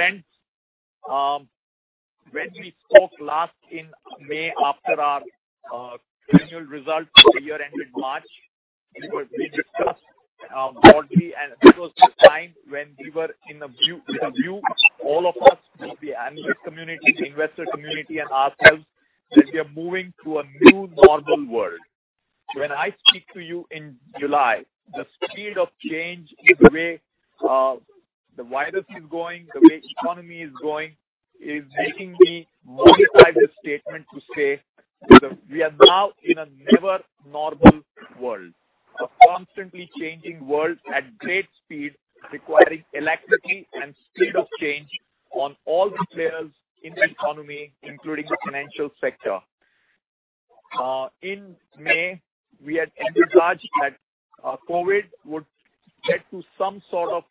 Good evening, friends. When we spoke last in May after our annual results for the year ended March, we discussed broadly, and it was the time when we were in a view, with a view, all of us, be it the analyst community, investor community, and ourselves, that we are moving to a new normal world. When I speak to you in July, the speed of change in the way the virus is going, the way economy is going, is making me modify the statement to say that we are now in a never normal world. A constantly changing world at great speed, requiring elasticity and speed of change on all the players in the economy, including the financial sector. In May, we had envisaged that COVID would get to some sort of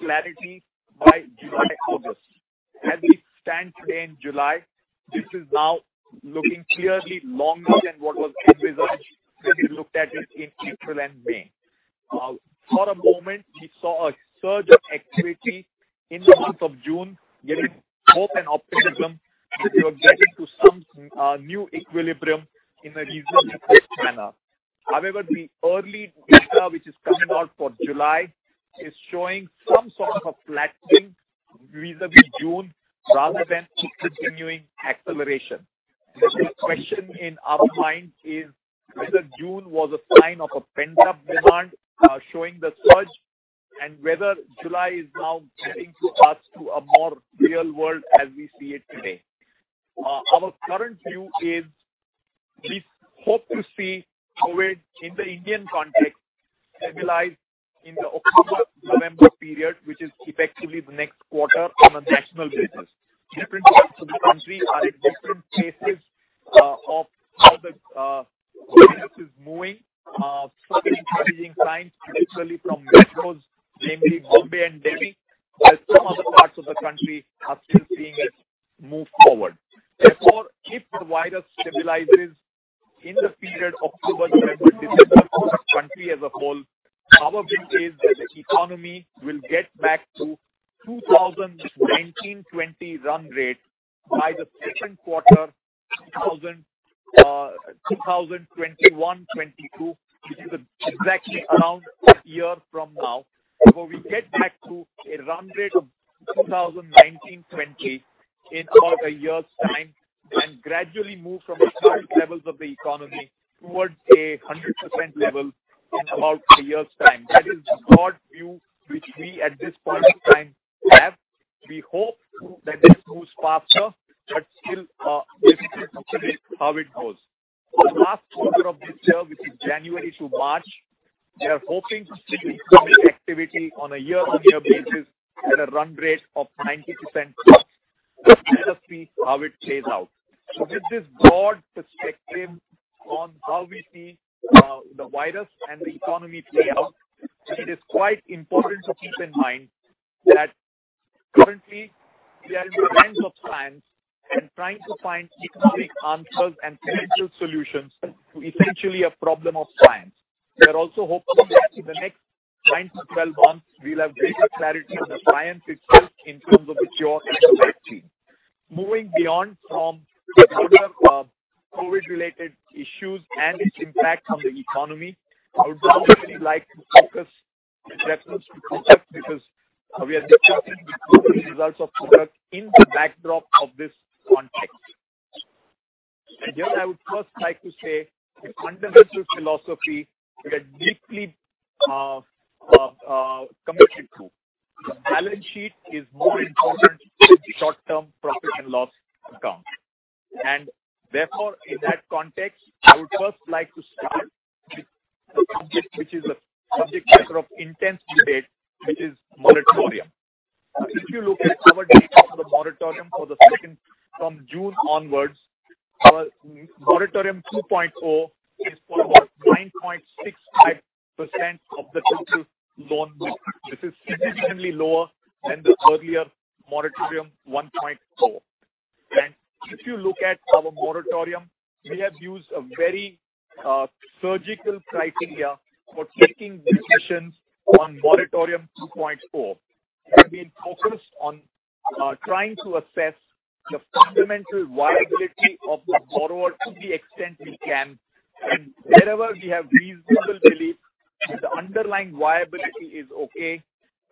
a clarity by July, August. As we stand today in July, this is now looking clearly longer than what was envisaged when we looked at it in April and May. For a moment, we saw a surge of activity in the month of June, giving hope and optimism that we are getting to some new equilibrium in a reasonably quick manner. However, the early data which is coming out for July is showing some sort of a flattening vis-à-vis June, rather than a continuing acceleration. The big question in our mind is whether June was a sign of a pent-up demand, showing the surge, and whether July is now getting to us to a more real world as we see it today. Our current view is we hope to see COVID in the Indian context stabilize in the October-November period, which is effectively the next quarter on a national basis. Different parts of the country are at different phases of how the virus is moving. Some encouraging signs, particularly from metros, namely Bombay and Delhi, while some other parts of the country are still seeing it move forward. Therefore, if the virus stabilizes in the period October, November, this is the country as a whole, our view is that the economy will get back to 2019/20 run rate by the second quarter, 2021, 2021/22, which is exactly around a year from now. So we get back to a run rate of 2019/20 in about a year's time, and gradually move from the current levels of the economy towards a 100% level in about a year's time. That is the broad view which we, at this point in time, have. We hope that this moves faster, but still, we will see how it goes. For the last quarter of this year, which is January to March, we are hoping to see economic activity on a year-on-year basis at a run rate of 90% plus. Let us see how it plays out. So with this broad perspective on how we see, the virus and the economy play out, it is quite important to keep in mind that currently we are in the hands of science and trying to find economic answers and financial solutions to essentially a problem of science. We are also hoping that in the next 9 to 12 months, we'll have greater clarity on the science itself in terms of the cure and the vaccine. Moving beyond from the broader, COVID-related issues and its impact on the economy, I would now really like to focus with reference to product, because we are discussing the results of product in the backdrop of this context. Here I would first like to say the fundamental philosophy that deeply committed to: the balance sheet is more important than short-term profit and loss account. Therefore, in that context, I would first like to start with the subject, which is a subject matter of intense debate, which is moratorium. If you look at our data for the moratorium for the second from June onwards, our moratorium 2.0 is for about 9.65% of the total loan book. This is significantly lower than the earlier moratorium 1.0. If you look at our moratorium, we have used a very surgical criteria for taking decisions on moratorium 2.0. We have been focused on trying to assess the fundamental viability of the borrower to the extent we can, and wherever we have reasonable belief that the underlying viability is okay,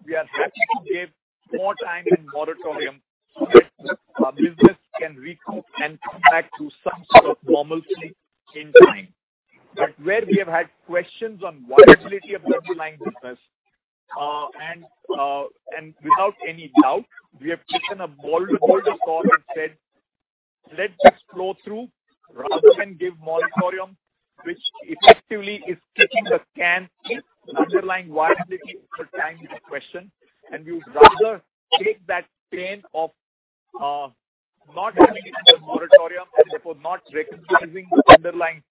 we are happy to give more time in moratorium so that our business can recoup and come back to some sort of normalcy in time. But where we have had questions on viability of the underlying business, and without any doubt, we have taken a bold, bolder call and said, "Let's just flow through rather than give moratorium," which effectively is kicking the can, underlying viability into question, and we would rather take that pain of, not having it in the moratorium and therefore not recognizing the underlying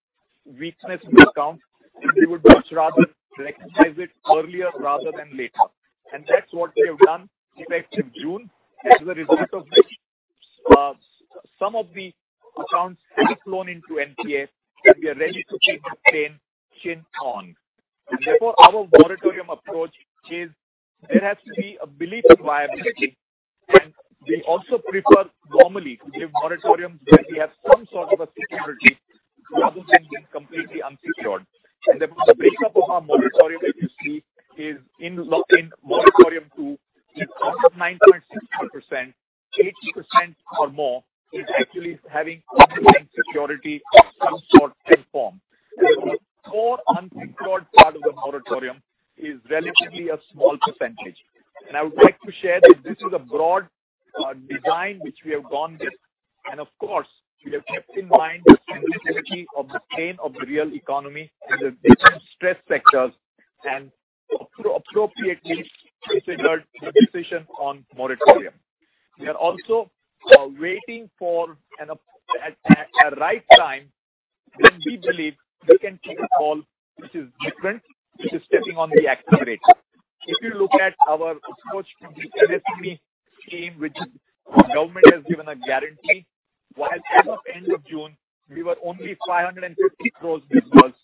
weakness in the account, and we would much rather recognize it earlier rather than later. And that's what we have done effective June. As a result of this, some of the accounts have flown into NPA, and we are ready to take it on the chin. And therefore, our moratorium approach is there has to be a belief of viability, and we also prefer normally to give moratorium where we have some sort of a security rather than being completely unsecured. The breakup of our moratorium, as you see, is in moratorium two. It's up to 9.60%. Eighty percent or more is actually having security of some sort in form. And the more unsecured part of the moratorium is relatively a small percentage. And I would like to share that this is a broad design which we have gone with. And of course, we have kept in mind the sensitivity of the chain of the real economy and the different stress sectors, and appropriately considered the decision on moratorium. We are also waiting for an opportune time, when we believe we can take a call, which is different, which is stepping on the accelerator. If you look at our approach to the SME scheme, which the government has given a guarantee, while as of end of June, we were only 550 crores disbursed.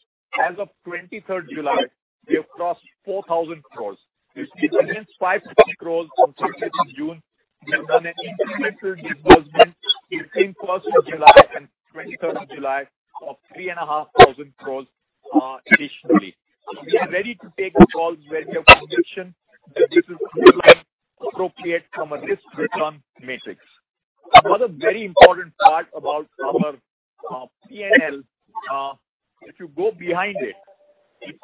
As of twenty-third July, we have crossed 4,000 crores. You see, against 550 crores on thirty-first of June, we have done an incremental disbursement between first of July and twenty-third of July of 3,500 crores additionally. So we are ready to take the calls where we have conviction that this is truly appropriate from a risk-return matrix. Another very important part about our PNL, if you go behind it, is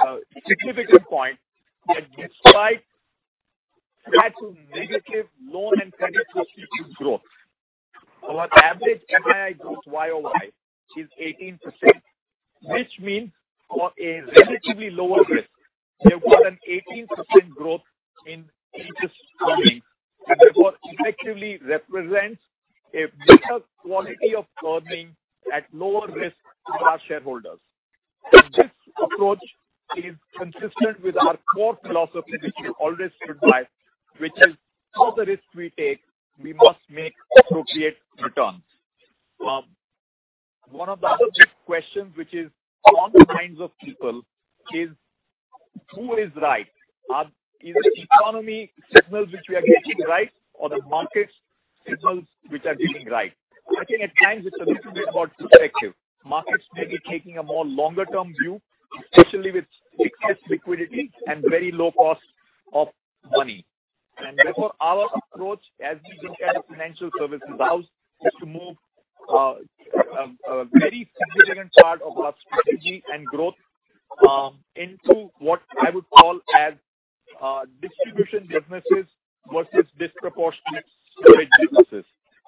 a significant point, that despite actual negative loan and credit portfolio growth, our average NII growth YOY is 18%, which means for a relatively lower risk, we have got an 18% growth in interest coming. And therefore, effectively represents a better quality of earning at lower risk to our shareholders. This approach is consistent with our core philosophy, which we always stood by, which is, for the risk we take, we must make appropriate returns. One of the other big questions, which is on the minds of people, is who is right? Are the economy signals which we are getting right or the market signals which are getting right? I think at times it's a little bit about perspective. Markets may be taking a more longer term view, especially with excess liquidity and very low cost of money. And therefore, our approach, as we look at a financial services house, is to move a very significant part of our strategy and growth into what I would call as distribution businesses versus disproportionate segment businesses.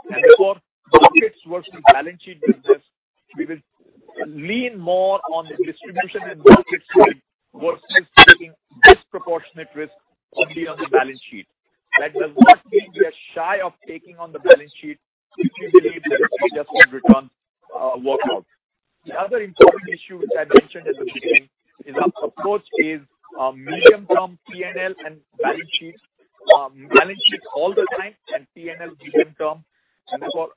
And therefore, markets versus balance sheet business, we will lean more on the distribution and market side versus taking disproportionate risk only on the balance sheet. That does not mean we are shy of taking on the balance sheet, if we believe the risk-adjusted returns work out. The other important issue, which I mentioned at the beginning, is our approach is medium-term PNL and balance sheets. Balance sheets all the time and PNL medium-term, and therefore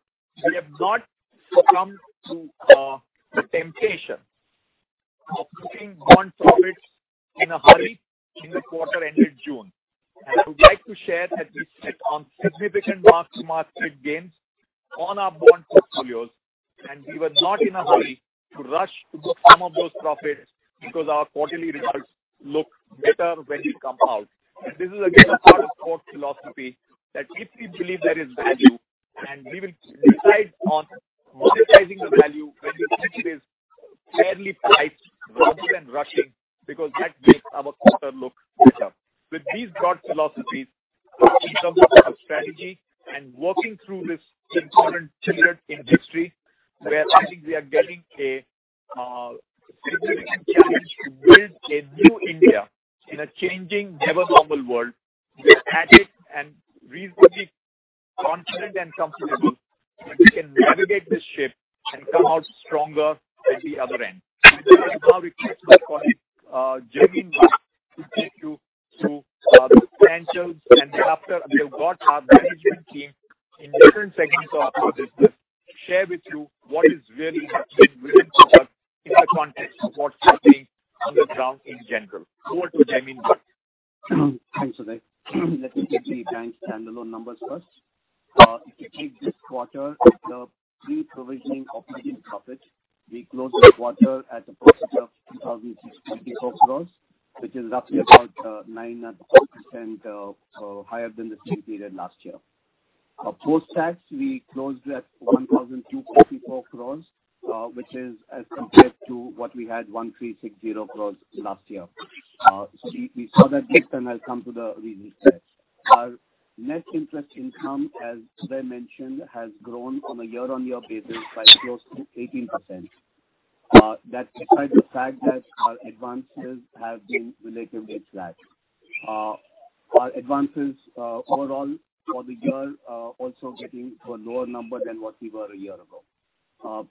we have not succumbed to the temptation of booking bond profits in a hurry in the quarter ending June, and I would like to share that we sit on significant mark-to-market gains on our bond portfolios, and we were not in a hurry to rush to book some of those profits, because our quarterly results look better when we come out. And this is, again, a part of core philosophy, that if we believe there is value, and we will decide on monetizing the value when we think it is fairly priced rather than rushing, because that makes our quarter look better. With these broad philosophies, in terms of our strategy and working through this important period in history, where I think we are getting a significant challenge to build a new India in a changing, never normal world, we are at it and reasonably confident and comfortable that we can navigate this ship and come out stronger at the other end. And now I request my colleague, Jaimin Bhatt, to take you through the financials. After we have got our management team in different segments of our business, share with you what is really happening within the context of what's happening on the ground in general. Over to Jaimin Bhatt. Thanks, Uday. Let me take the key standalone numbers first. If you take this quarter, the pre-provisioning operating profit, we closed the quarter at the profit of 2,664 crore, which is roughly about 9.5% higher than the same period last year. Post-tax, we closed at 1,244 crore, which is as compared to what we had, 1,360 crore last year. So we saw that dip, and I'll come to the reasons there. Our net interest income, as Uday mentioned, has grown on a year-on-year basis by close to 18%. That despite the fact that our advances have been relatively flat. Our advances overall for the year also getting to a lower number than what we were a year ago.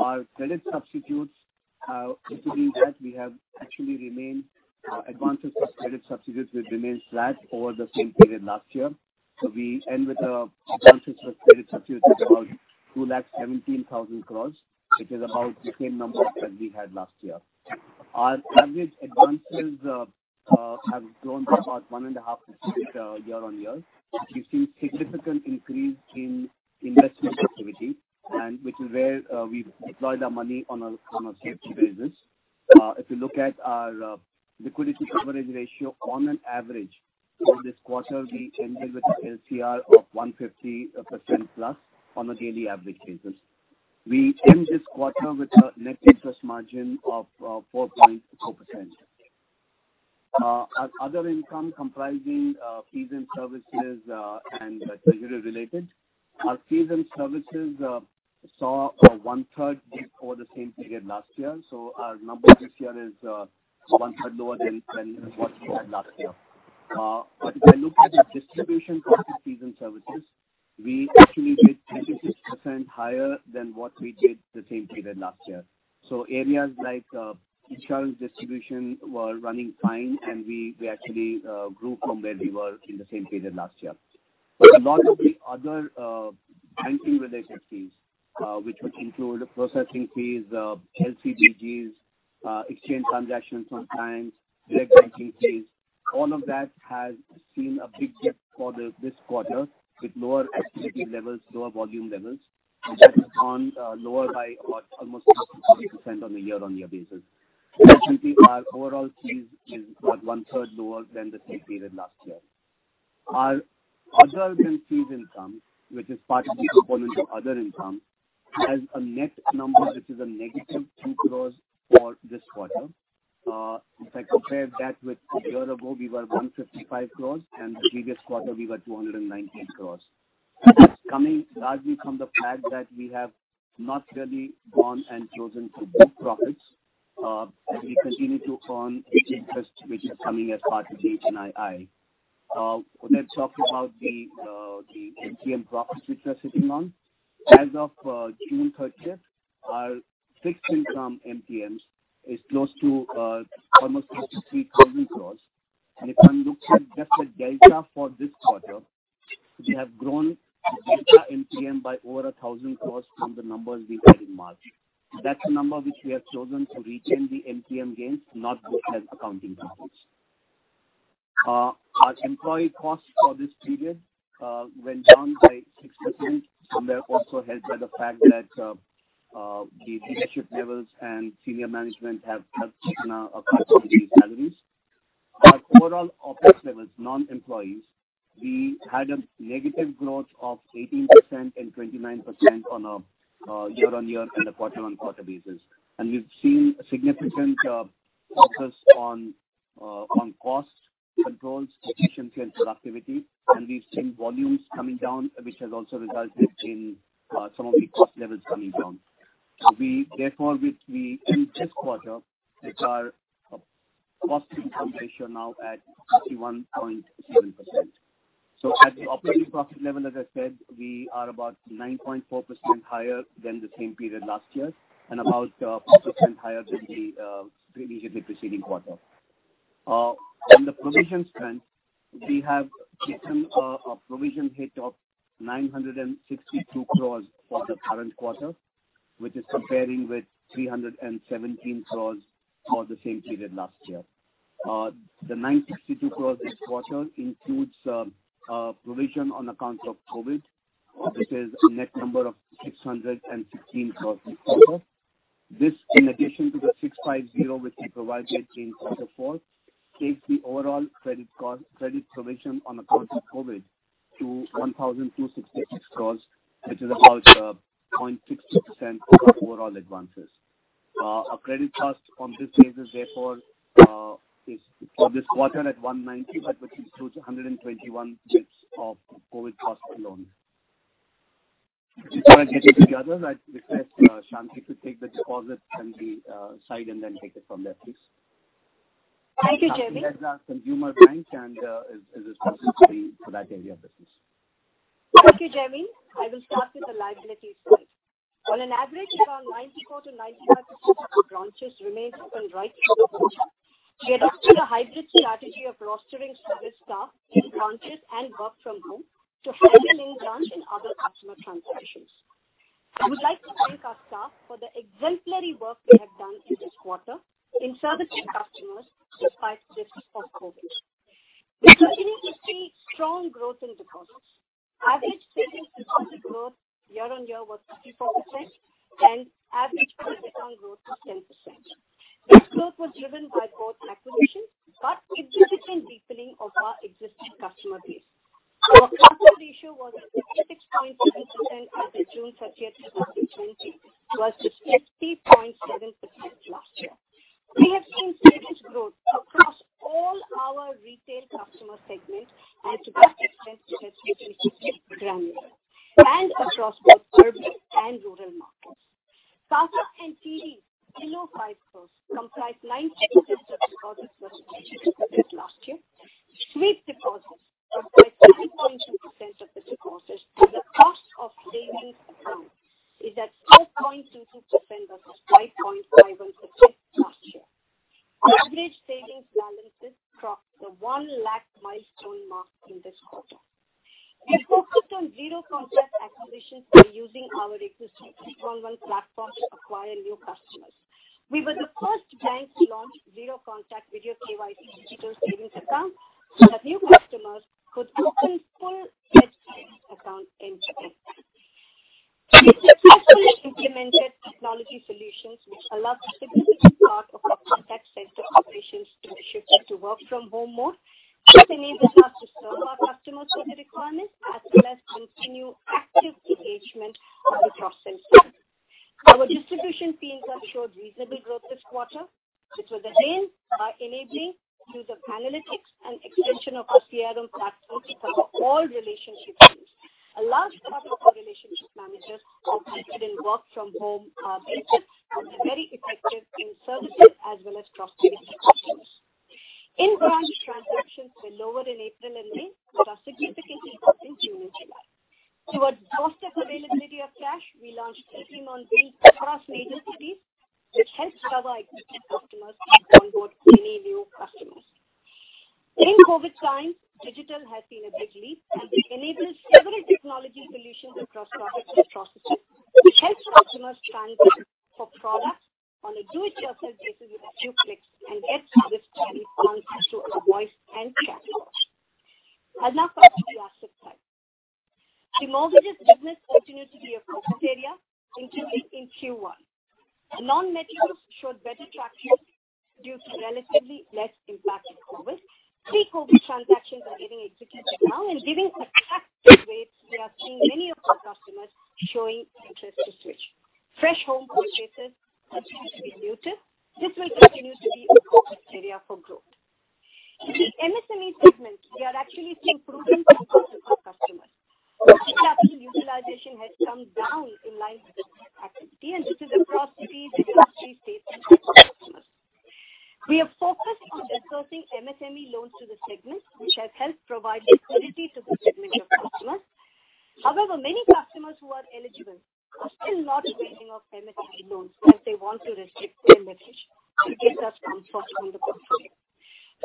Our credit substitutes, including that we have actually remained, advances of credit substitutes will remain flat over the same period last year. So we end with advances for credit substitutes of about two lakh seventeen thousand crores, which is about the same number that we had last year. Our average advances have grown by about 1.5% year-on-year. We've seen significant increase in investment activity and which is where we deploy the money on a safety basis. If you look at our liquidity coverage ratio on an average for this quarter, we ended with an LCR of 150% plus on a daily average basis. We end this quarter with a net interest margin of 4.4%. Our other income comprising fees and services and treasury related. Our fees and services saw a one-third dip over the same period last year, so our number this year is one third lower than what we had last year. But if I look at the distribution for the fees and services, we actually did 10 to 6% higher than what we did the same period last year. So areas like insurance distribution were running fine, and we actually grew from where we were in the same period last year. But a lot of the other banking related fees, which would include processing fees, LCDGs, exchange transactions on time, direct banking fees, all of that has seen a big dip for this quarter, with lower activity levels, lower volume levels, and that's gone lower by about almost 30% on a year-on-year basis. Our overall fees is about one third lower than the same period last year. Our other than fees income, which is part of the component of other income, has a net number, which is a negative 2 crore for this quarter. If I compare that with a year ago, we were 155 crore, and the previous quarter we were 219 crore. Coming largely from the fact that we have not really gone and chosen to book profits, as we continue to earn interest, which is coming as part of the NII. Let's talk about the MTM profits which we are sitting on. As of June thirtieth, our fixed income MTM is close to almost 63,000 crore. And if I look at just the delta for this quarter, we have grown the delta MTM by over 1000 crores from the numbers we had in March. That's a number which we have chosen to retain the MTM gains, not book as accounting profits. Our employee costs for this period went down by 6%, and they're also helped by the fact that the leadership levels and senior management have taken a cut in the salaries. Our overall office levels, non-employees, we had a negative growth of 18% and 29% on a year-on-year and a quarter-on-quarter basis. And we've seen a significant focus on cost controls, efficiency, and productivity. And we've seen volumes coming down, which has also resulted in some of the cost levels coming down. So, therefore, in this quarter, with our cost-to-income ratio now at 81.7%. At the operating profit level, as I said, we are about 9.4% higher than the same period last year and about 5% higher than the immediately preceding quarter. On the provision front, we have taken a provision hit of 962 crores for the current quarter, which is comparing with 317 crores for the same period last year. The 962 crores this quarter includes provision on account of COVID, which is a net number of 616 crores. This, in addition to the 650, which we provided in quarter four, takes the overall credit cost, credit provision on account of COVID to 1,266 crores, which is about 0.60% of our overall advances. Our credit cost on this basis, therefore, is for this quarter at 1.90%, but which includes 121 basis points of COVID costs alone. To tie together, I'd request Shanti to take the deposit and the side, and then take it from there, please. Thank you, Jaimin. She heads our consumer bank and is responsible for that area of business. Thank you, Jaimin. I will start with the liability side. On an average, around 94-95% of the branches remained open right through the quarter. We adopted a hybrid strategy of rostering service staff in branches and work from home to handle branch and other customer transactions. I would like to thank our staff for the exemplary work they have done in this quarter in servicing customers despite risks of COVID. We continue to see strong growth in deposits. Average savings deposit growth year-on-year was 54%, and average current account growth was 10%. This growth was driven by both acquisitions, but a significant deepening of our existing customer base. Our current ratio was at 66.7% as of June thirtieth, 2020, versus 50.7% last year. We have seen significant growth across all our retail customer segments, and to the extent that we can keep growing across both urban and rural markets. CASA and TD below five crores comprised 19% of deposits versus 20% last year. Savings deposits of 33.2% of the deposits and the cost of savings accounts is at 4.22% versus 5.51% last year. Average savings balances crossed the one lakh milestone mark in this quarter. We are focused on zero-contact acquisitions by using our exclusive 811 platform to acquire new customers. We were the first bank to launch zero-contact video KYC digital savings account, that new customers could open full savings account in implemented technology solutions which allowed a significant part of our contact center operations to shift to work from home mode, enabling us to serve our customers for the requirements as well as continue active engagement with our customers. Our distribution teams have showed reasonable growth this quarter, which we are mainly enabling through the analytics and extension of our CRM platform to cover all relationship teams. A large part of our relationship managers are in work from home basis and are very effective in services as well as cross-selling options. In-branch transactions were lower in April and May, but are significantly up in June and July. To foster availability of cash, we launched ATMs on wheels across major cities, which helped cover existing customers and onboard many new customers. In COVID times, digital has been a big leap, and we enabled several technology solutions across products and processes, which helps customers transact for products on a do-it-yourself basis with a few clicks and get service answers through our voice and chat. I'll now come to the asset side. The mortgages business continued to be a focus area, including in Q1. Non-metro showed better traction due to relatively less impact of COVID. Pre-COVID transactions are getting executed now, and given attractive rates, we are seeing many of our customers showing interest to switch. Fresh home purchases continue to be muted. This will continue to be a focus area for growth. In the MSME segment, we are actually seeing improvement in our collections. The capital utilization has come down in line with activity, and this is across cities, industry, states, and customers. We are focused on disbursing MSME loans to the segment, which has helped provide liquidity to the segment of customers. However, many customers who are eligible are still not availing of MSME loans, as they want to restrict their leverage to get that comfort from the bank.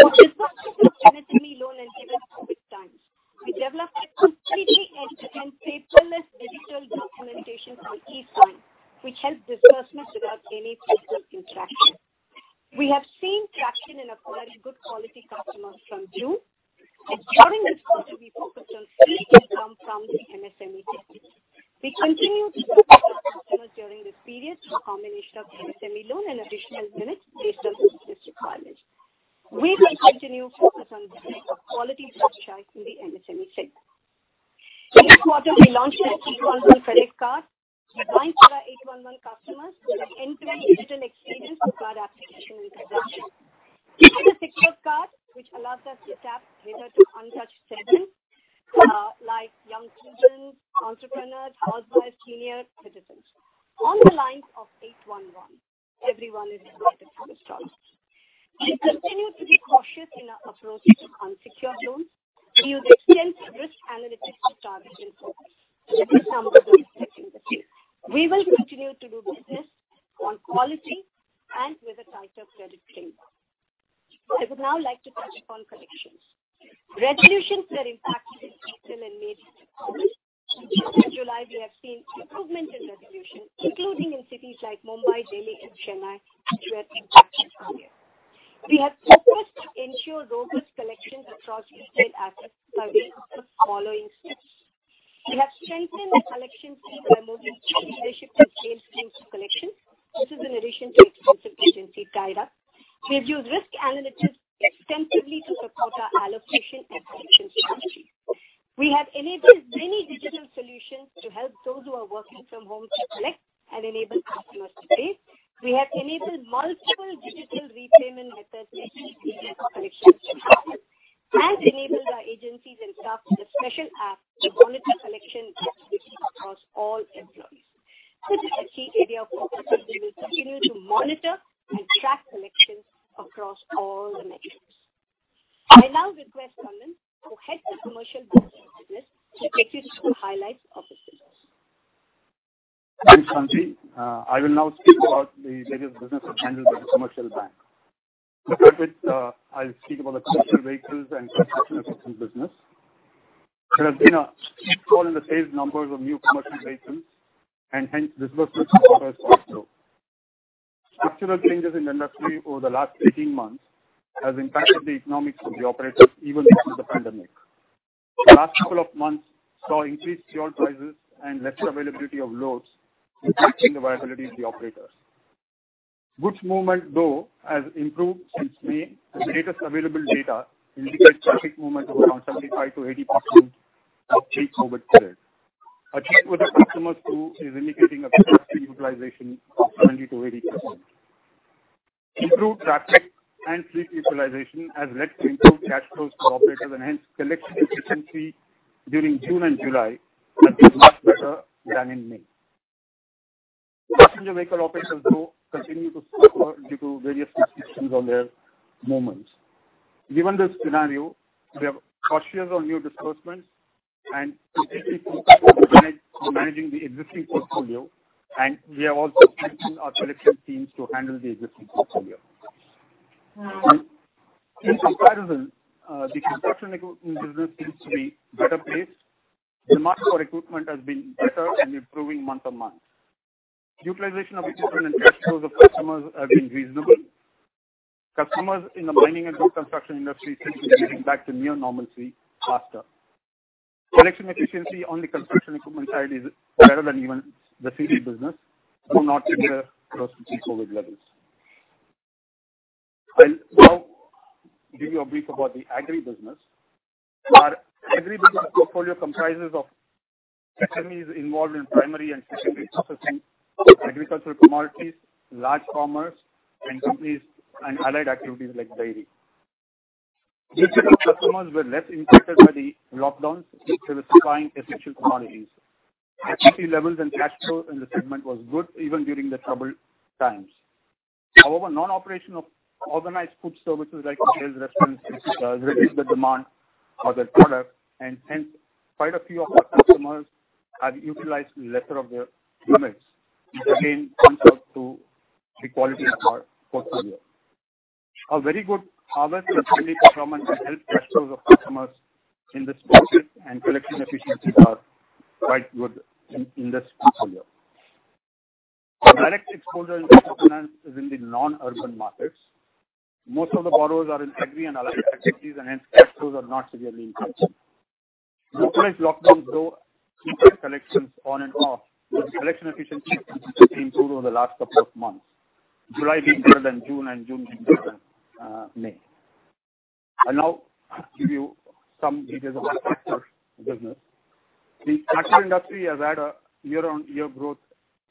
So, disbursement of MSME loan and given COVID times, we developed a completely end-to-end paperless digital documentation on eSign, which helps disbursements without any physical interaction. We have seen traction in acquiring good quality customers from June, and during this quarter we focused on fee income from the MSME segment. We continued lending to customers during this period through a combination of MSME loan and additional limits based on business requirements. We will continue to focus on the quality of the book in the MSME segment. This quarter, we launched an 811 credit card designed for our 811 customers with an end-to-end digital experience for card application and production. This is a secured card which allows us to tap into untouched segments, like young students, entrepreneurs, housewives, senior citizens. On the lines of 811, everyone is invited to this product. We continue to be cautious in our approach to unsecured loans, use extensive risk analytics to target improvements in the number of risks in the team. We will continue to do business on quality and with a tighter credit framework. I would now like to touch upon collections. Resolutions were impacted in April and May due to COVID. In July, we have seen improvement in resolution, including in cities like Mumbai, Delhi and Chennai, where impact is higher. We have focused to ensure robust collections across retail assets by way of the following steps. We have strengthened the collection team by moving key leadership from sales team to collection. This is in addition to extensive agency tie-ups. We've used risk analytics extensively to support our allocation and collection strategy. We have enabled many digital solutions to help those who are working from home to collect and enable customers to pay. We have enabled multiple digital repayment methods for easy digital collections and enabled our agencies and staff with a special app to monitor collection activity across all employees. This is a key area of focus, and we will continue to monitor and track collection across all the metrics. I now request D. Kannan to head the commercial banking business to take you through highlights of the business. Thanks, Shanti. I will now speak about the latest business handled by the commercial bank. To start with, I'll speak about the commercial vehicles and construction equipment business. There has been a steep fall in the sales numbers of new commercial vehicles, and hence this was for us also. Structural changes in the industry over the last eighteen months has impacted the economics of the operators even into the pandemic. The last couple of months saw increased fuel prices and lesser availability of loads, impacting the viability of the operators. Goods movement, though, has improved since May. The latest available data indicates traffic movement of around 75% to 80% of pre-COVID period. Engagement with the customers too, is indicating a capacity utilization of 70% to 80%. Improved traffic and fleet utilization has led to improved cash flows for operators and hence collection efficiency during June and July has been much better than in May. Passenger vehicle operators though, continue to suffer due to various restrictions on their movements. Given this scenario, we are cautious on new disbursements and on managing the existing portfolio, and we are also strengthening our collection teams to handle the existing portfolio. In comparison, the construction equipment business seems to be better placed. The market for equipment has been better and improving month on month. Utilization of equipment and cash flow of customers have been reasonable. Customers in the mining and road construction industry seem to be getting back to near normalcy faster. Collection efficiency on the construction equipment side is better than even the CV business, though not yet the pre-COVID levels. I'll now give you a brief about the agri business. Our agri business portfolio comprises of SMEs involved in primary and secondary processing, agricultural commodities, large farmers and companies, and allied activities like dairy. These set of customers were less impacted by the lockdowns due to supplying essential commodities. FMC levels and cash flow in the segment was good even during the troubled times. However, non-operation of organized food services like hotels, restaurants, has reduced the demand for their product, and hence, quite a few of our customers have utilized lesser of their limits, which again, comes out to the quality of our portfolio. A very good harvest and timely procurement has helped cash flows of customers in this segment, and collection efficiencies are quite good in this portfolio. Direct exposure to finance is in the non-urban markets. Most of the borrowers are in agri and allied activities, and hence, cash flows are not severely impacted. Localized lockdowns, though, impact collections on and off, but collection efficiency has improved over the last couple of months, July being better than June and June being better than May. I'll now give you some details of our tractor business. The tractor industry has had a year-on-year growth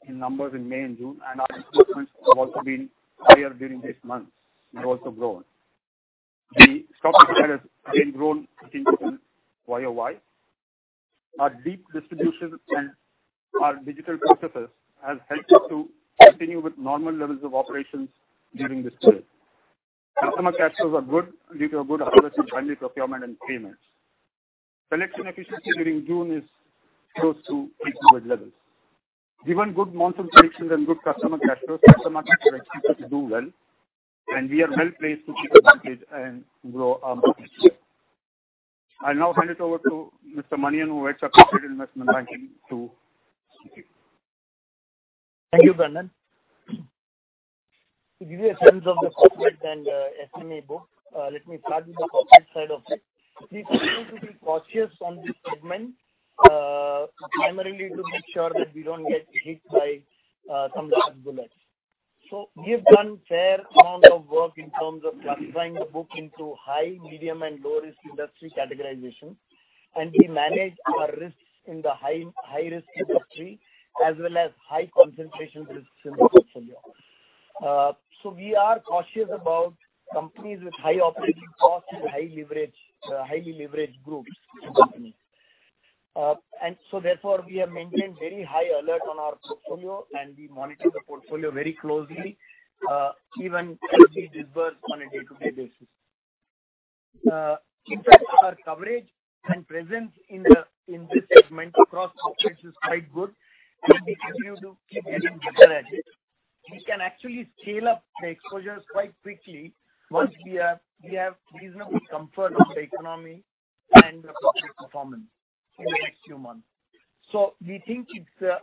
in numbers in May and June, and our disbursements have also been higher during these months and have also grown. The stock side has again grown significantly YoY. Our deep distribution and our digital processes has helped us to continue with normal levels of operations during this period. Customer cash flows are good due to a good harvest and timely procurement and payments. Collection efficiency during June is close to pre-COVID levels. Given good monsoon predictions and good customer cash flows, customers are expected to do well, and we are well-placed to take advantage and grow our business. I'll now hand it over to Mr. Manian, who heads our Corporate Investment Banking to speak. Thank you, D. Kannan. To give you a sense of the corporate and SME book, let me start with the corporate side of it. We continue to be cautious on this segment, primarily to make sure that we don't get hit by some bad bullets. So we have done fair amount of work in terms of classifying the book into high, medium, and low-risk industry categorization, and we manage our risks in the high, high-risk industry, as well as high concentration risks in the portfolio. So we are cautious about companies with high operating costs and high leverage, highly leveraged groups and companies. And so therefore, we have maintained very high alert on our portfolio, and we monitor the portfolio very closely, even as we disburse on a day-to-day basis. In fact, our coverage and presence in the, in this segment across sectors is quite good, and we continue to keep getting better at it. We can actually scale up the exposures quite quickly once we have, we have reasonable comfort on the economy and the corporate performance in the next few months. So we think it's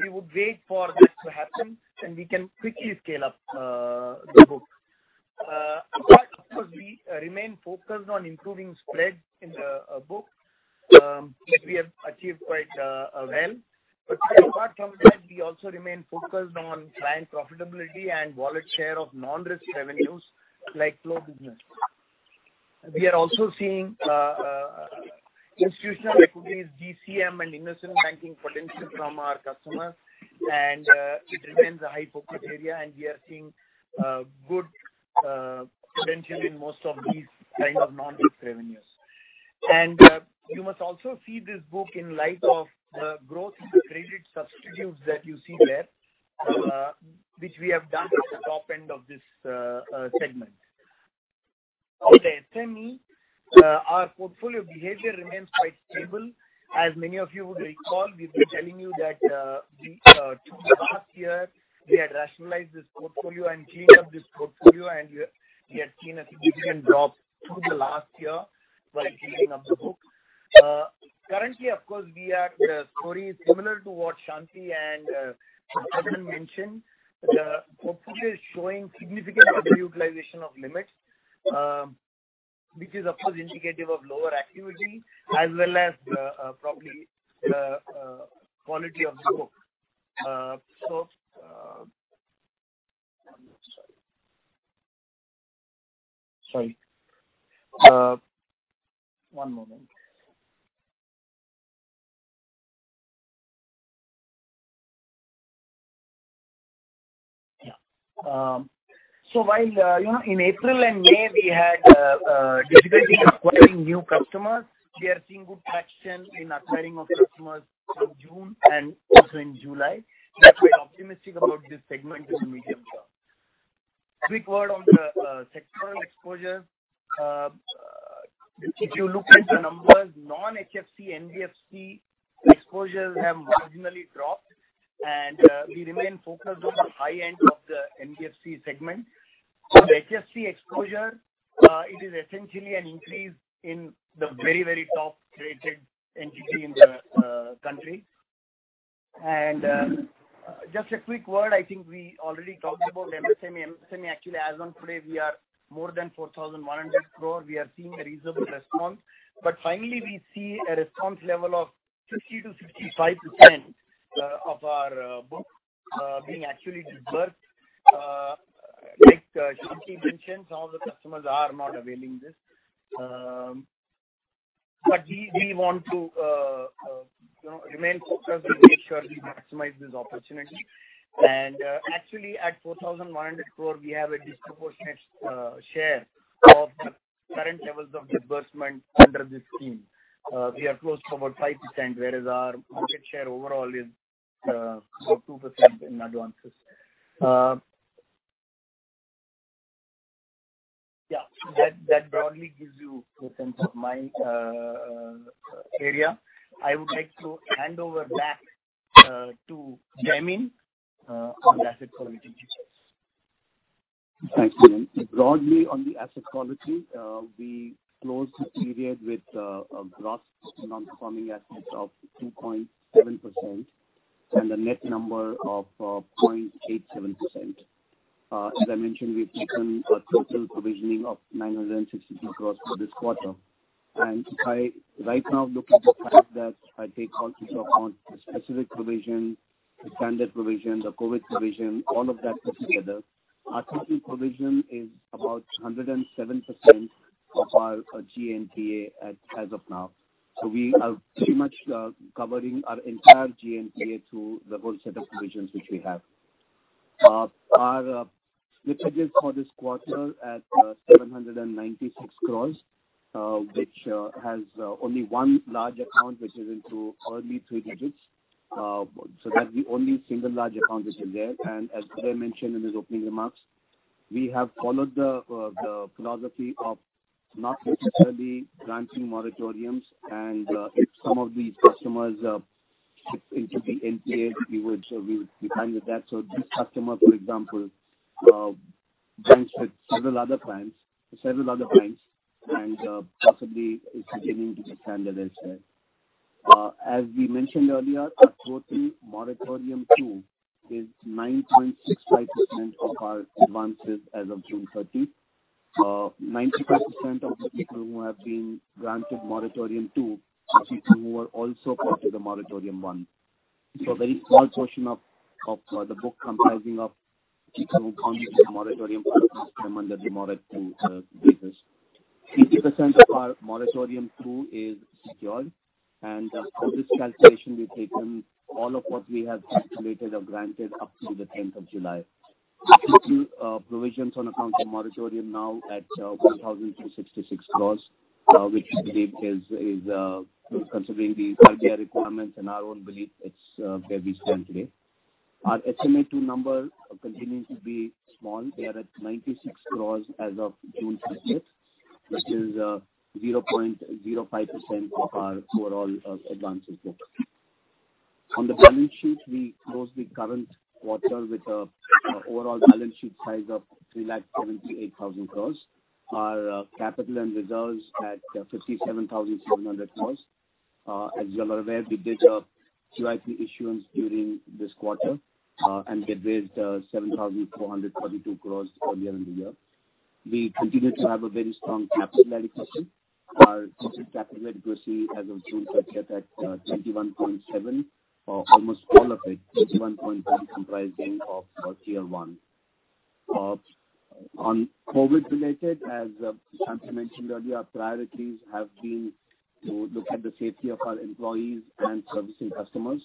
we would wait for this to happen, and we can quickly scale up the book. Apart, of course, we remain focused on improving spread in the book, which we have achieved quite well. But apart from that, we also remain focused on client profitability and wallet share of non-risk revenues, like loan business. We are also seeing institutional equities, DCM and investment banking potential from our customers, and it remains a high-focus area, and we are seeing good potential in most of these kind of non-risk revenues. You must also see this book in light of growth in the credit substitutes that you see there, which we have done at the top end of this segment. On the SME, our portfolio behavior remains quite stable. As many of you would recall, we've been telling you that we through the last year had rationalized this portfolio and cleaned up this portfolio, and we have seen a significant drop through the last year by cleaning up the book. Currently, of course, the story is similar to what Shanti and Kannan mentioned. The portfolio is showing significant underutilization of limits, which is, of course, indicative of lower activity as well as, probably, quality of the book. So while, you know, in April and May, we had difficulty acquiring new customers, we are seeing good traction in acquiring of customers from June and also in July. That we're optimistic about this segment in the medium term. Quick word on the sectoral exposure. If you look at the numbers, non-HFC, NBFC exposures have marginally dropped, and we remain focused on the high end of the NBFC segment. So the HFC exposure, it is essentially an increase in the very, very top-rated entity in the country. And just a quick word, I think we already talked about MSME. MSME, actually, as on today, we are more than 4,100 crore. We are seeing a reasonable response. But finally, we see a response level of 50%-55% of our book being actually disbursed. Like, Shanti mentioned, all the customers are not availing this. But we want to, you know, remain focused and make sure we maximize this opportunity. And, actually, at 4,100 crore, we have a disproportionate share of the current levels of disbursement under this scheme. We are close to about 5%, whereas our market share overall is about 2% in advances. Yeah, that broadly gives you a sense of my area. I would like to hand over back to Jaimin on the asset quality issues. Thanks, Jamin. Broadly, on the asset quality, we closed the period with a gross non-performing assets of 2.7% and a net number of 0.87%. As I mentioned, we've taken a total provisioning of 962 crore for this quarter. And I, right now, look at the fact that I take into account the specific provision, the standard provision, the COVID provision, all of that put together. Our total provision is about 107% of our GNPA as of now. So we are pretty much covering our entire GNPA through the whole set of provisions which we have. Our litigation for this quarter at 796 crore, which has only one large account, which is into early three digits. So that's the only single large account which is there. And as I mentioned in his opening remarks, we have followed the philosophy of not necessarily granting moratoriums, and if some of these customers into the NPA, we would be fine with that. So this customer, for example, banks with several other clients, several other banks, and possibly is beginning to get handled as well. As we mentioned earlier, our total Moratorium 2 is 9.65% of our advances as of June thirtieth. Ninety-five percent of the people who have been granted Moratorium 2 are people who were also part of the Moratorium 1. So a very small portion of the book comprising of people who come to the Moratorium 1 come under the Moratorium basis. Fifty percent of our Moratorium 2 is secured, and, for this calculation, we've taken all of what we have calculated or granted up to the tenth of July. Provisions on account of moratorium now at 1,266 crores, which I believe is, considering the RBI requirements and our own belief, it's where we stand today. Our SMA-2 number continues to be small. We are at 96 crores as of June 30th, which is 0.05% of our overall advances book. On the balance sheet, we closed the current quarter with an overall balance sheet size of 3,78,000 crores. Our capital and reserves at 57,700 crores. As you are aware, we did a CYP issuance during this quarter, and we raised seven thousand four hundred forty-two crores on year-on-year. We continue to have a very strong capital adequacy. Our total capital adequacy as of June thirtieth at twenty-one point seven, almost all of it, twenty-one point one comprising of tier one. On COVID-related, as Shanti mentioned earlier, our priorities have been to look at the safety of our employees and servicing customers.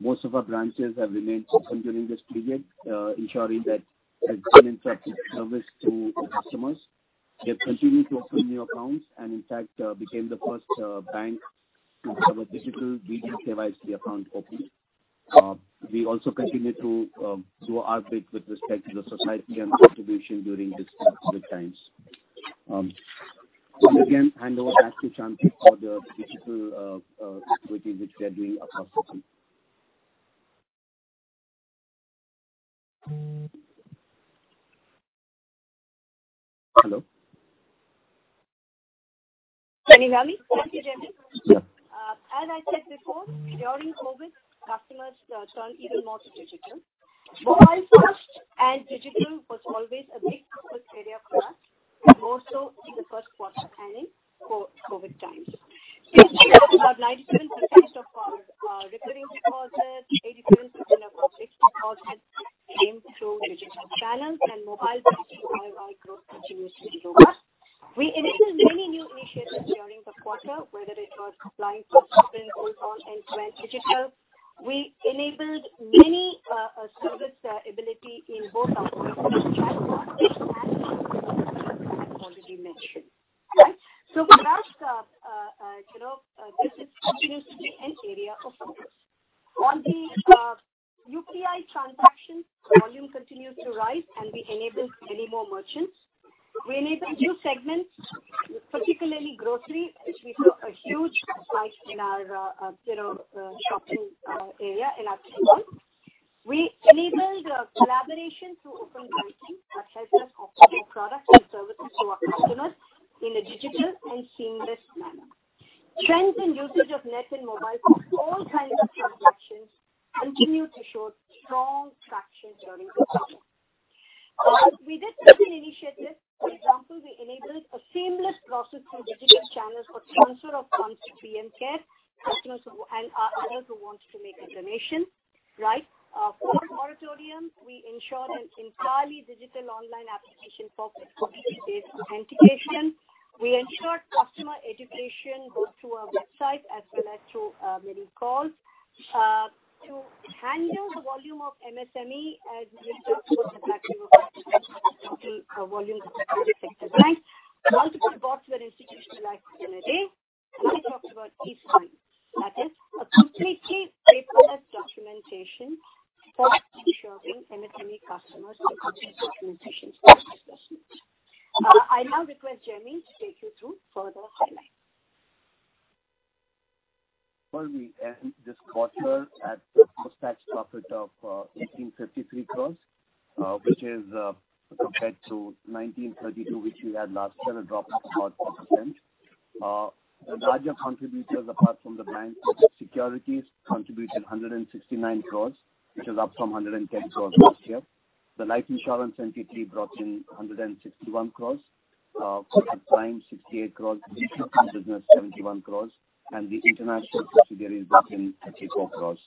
Most of our branches have remained open during this period, ensuring that there's uninterrupted service to the customers. They've continued to open new accounts and in fact, became the first bank to have a digital KYC account opening. We also continue to do our bit with respect to the society and contribution during these COVID times. And again, hand over back to Shanti for the digital activity which we are doing across the country. Hello? Thank you, Jaimin. As I said before, during COVID, customers turned even more digital. Mobile first and digital was always a big focus area for us, more so in the first quarter and in COVID times. About 97% of our recurring deposits, 87% of our fixed deposits came through digital channels, and mobile banking Y-Y growth continues to be robust. We initiated many new initiatives here- ...quarter, whether it was applying for or end-to-end digital, we enabled many serviceability in both our voice and chatbot, as I have already mentioned. Right? So for us, you know, this is continuously an area of focus. On the UPI transactions, volume continues to rise, and we enabled many more merchants. We enabled new segments, particularly grocery, which we saw a huge spike in our, you know, shopping area in our portal. We enabled collaboration through open banking that helps us offer more products and services to our customers in a digital and seamless manner. Trends and usage of net and mobile for all kinds of transactions continue to show strong traction during this quarter. We did certain initiatives. For example, we enabled a seamless process through digital channels for transfer of funds to PM CARES, customers who, and, others who wants to make a donation, right? For moratorium, we ensured an entirely digital online application for customer-based authentication. We ensured customer education both through our website as well as through many calls. To handle the volume of MSME as result of the volume of the public sector, right, multiple bots were institutionalized in a day, and I talked about e-sign. That is a completely paperless documentation for ensuring MSME customers complete documentation for disbursements. I now request Jaimin to take you through further highlights. We end this quarter at the post-tax profit of 1,853 crores, which is compared to 1,932, which we had last year, a drop of about 4%. The larger contributors, apart from the bank, were the securities contributed 169 crores, which is up from 110 crores last year. The life insurance entity brought in 161 crores, Kotak Prime, 68 crores, business, 71 crores, and the international subsidiary brought in 34 crores.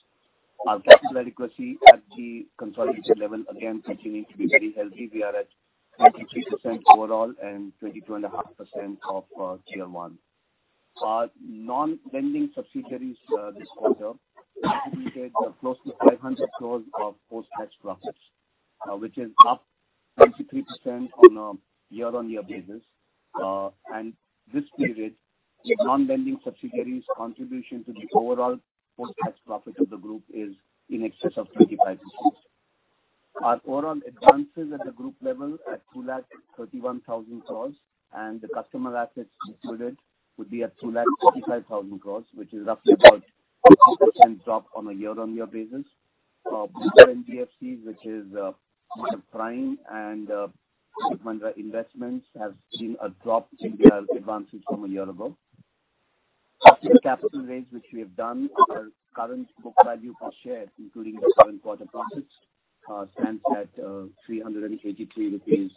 Our capital adequacy at the consolidation level, again, continuing to be very healthy. We are at 23% overall and 22.5% of Tier I. Our non-lending subsidiaries, this quarter, contributed close to 500 crores of post-tax profits, which is up 23% on a year-on-year basis. And this period, the non-lending subsidiaries' contribution to the overall post-tax profit of the group is in excess of 25%. Our overall advances at the group level at 2 lakh 31 thousand crores, and the customer assets included would be at 2 lakh 55 thousand crores, which is roughly about 10% drop on a year-on-year basis. Other NBFCs, which is Kotak Prime and Kotak Mahindra Investments, have seen a drop in their advances from a year ago. After the capital raise, which we have done, our current book value per share, including the current quarter profits, stands at 383.85 rupees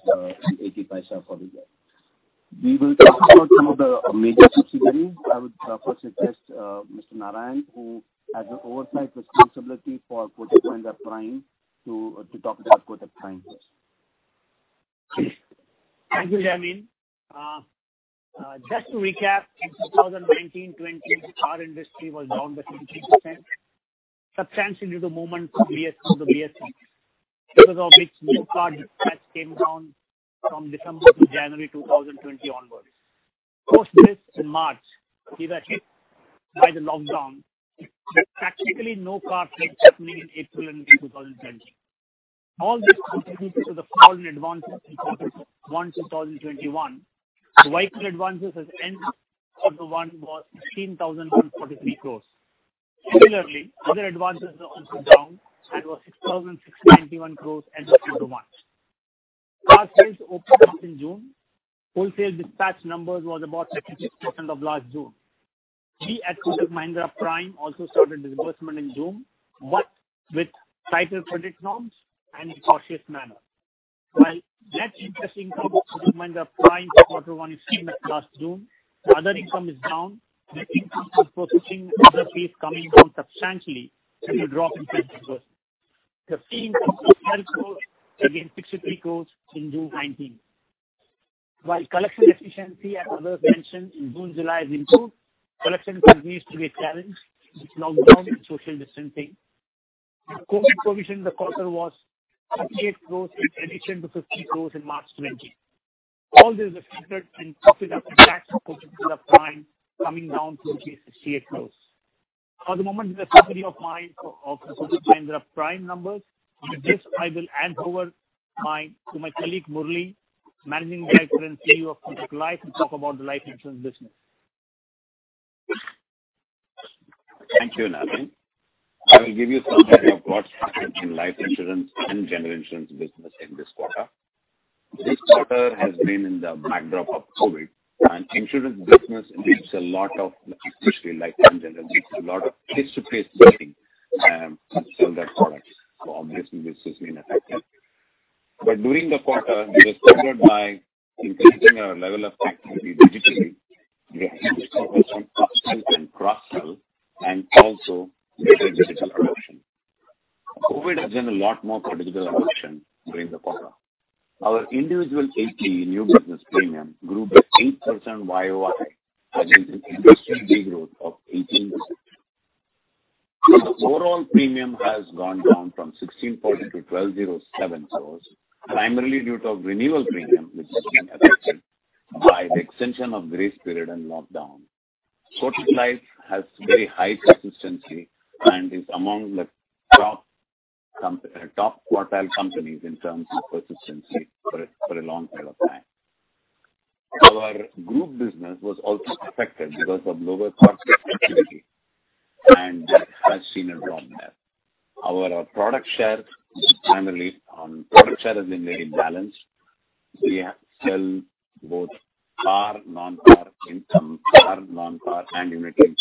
per share. We will talk about some of the major subsidiaries. I would first suggest Mr. Narayan, who has the oversight responsibility for Kotak Mahindra Prime, to talk about Kotak Prime. Thank you, Jaimin. Just to recap, in 2019-20, car industry was down by 20%, substantially the moment BS IV to the BS VI, because of which new car dispatch came down from December to January 2020 onwards. Post this, in March, we were hit by the lockdown, with practically no car sales happening in April 2020. All this contributed to the fall in advances in quarter one 2021. The vehicle advances as at end of the quarter was 16,043 crores. Similarly, other advances are also down, and was 6,691 crores as of quarter one. Car sales opened up in June. Wholesale dispatch numbers was about 66% of last June. We at Kotak Mahindra Prime also started disbursement in June, but with tighter credit norms and a cautious manner. While net interest income of Kotak Mahindra Prime for quarter one is same as last June, the other income is down, with income from processing and other fees coming down substantially and a drop in disbursements. The same again, 63 crores in June 2019. While collection efficiency, as Kannan mentioned, in June, July has improved, collection continues to be a challenge with lockdown and social distancing. The COVID provision in the quarter was 58 crores, in addition to 50 crores in March 2020. All this affected, and profit after tax for Kotak Prime coming down to 68 crores. At the moment, the summary of Kotak Mahindra Prime numbers. With this, I will hand over to my colleague, Murali, Managing Director and CEO of Kotak Life, to talk about the life insurance business. Thank you, Narayan. I will give you a summary of what's happened in life insurance and general insurance business in this quarter. This quarter has been in the backdrop of COVID, and insurance business needs a lot of, especially life in general, needs a lot of face-to-face meeting, to sell their products, so obviously this has been affected. But during the quarter, we were supported by increasing our level of activity digitally, we have and cross-sell, and also better digital promotion. COVID has done a lot more digital adoption during the quarter. Our individual AP new business premium grew by 8% YoY, against an industry de-growth of 18%. The overall premium has gone down from 16.07 crores to 12.07 crores, primarily due to renewal premium, which has been affected by the extension of grace period and lockdown. Kotak Life has very high persistency and is among the top quartile companies in terms of persistency for a long period of time. Our group business was also affected because of lower corporate activity, and that has seen a drop there. Our product share has been very balanced. We have sell both car, non-car income, car, non-car and unit linked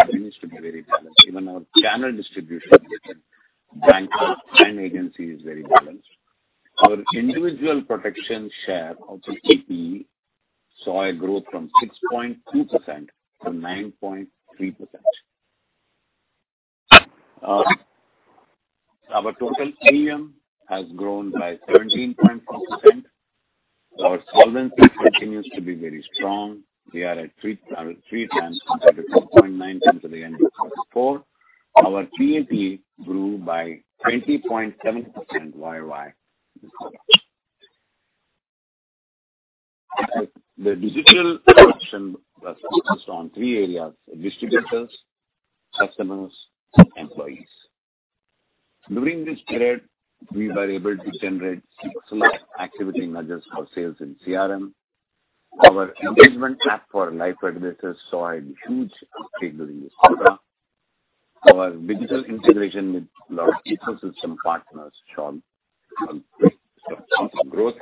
continues to be very balanced. Even our channel distribution between bank and agency is very balanced. Our individual protection share of the AP saw a growth from 6.2% to 9.3%. Our total premium has grown by 17.4%. Our solvency continues to be very strong. We are at three times compared to 4.9 times at the end of quarter four. Our PAT grew by 20.7% YOY. The digital adoption was focused on three areas: distributors, customers, employees. During this period, we were able to generate six lakh activity measures for sales in CRM. Our engagement app for life advisors saw a huge increase during this quarter. Our digital integration with our ecosystem partners showed a great sense of growth.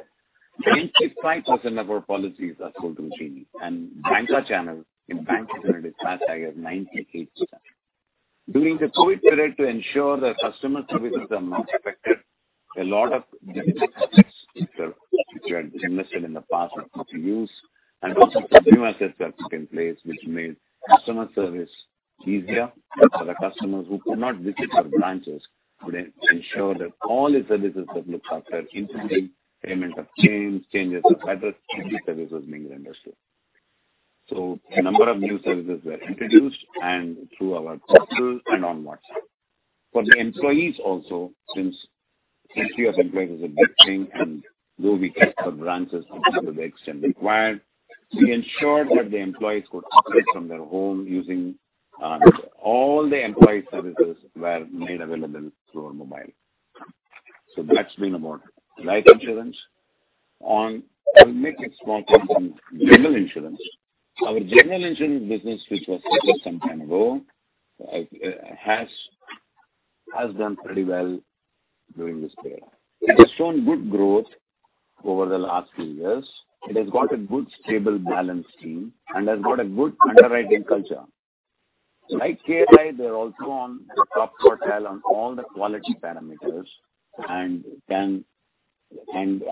95% of our policies are going through GD, and banker channel - in bank channel is higher, 98%. During the COVID period, to ensure that customer services are not affected, a lot of digital assets which are, which were invested in the past are put to use, and also some new assets are put in place, which made customer service easier for the customers who could not visit our branches, could ensure that all the services that look after, including payment of claims, changes of address and these services being rendered. So a number of new services were introduced and through our portal and on WhatsApp. For the employees also, since security of employees is a big thing, and though we kept our branches open to the extent required, we ensured that the employees could operate from their home using, All the employee services were made available through our mobile. So that's been about life insurance. On. I'll make a small point on general insurance. Our general insurance business, which was purchased some time ago, has done pretty well during this period. It has shown good growth over the last few years. It has got a good, stable balanced team and has got a good underwriting culture. Like KLI, they're also on the top quartile on all the quality parameters and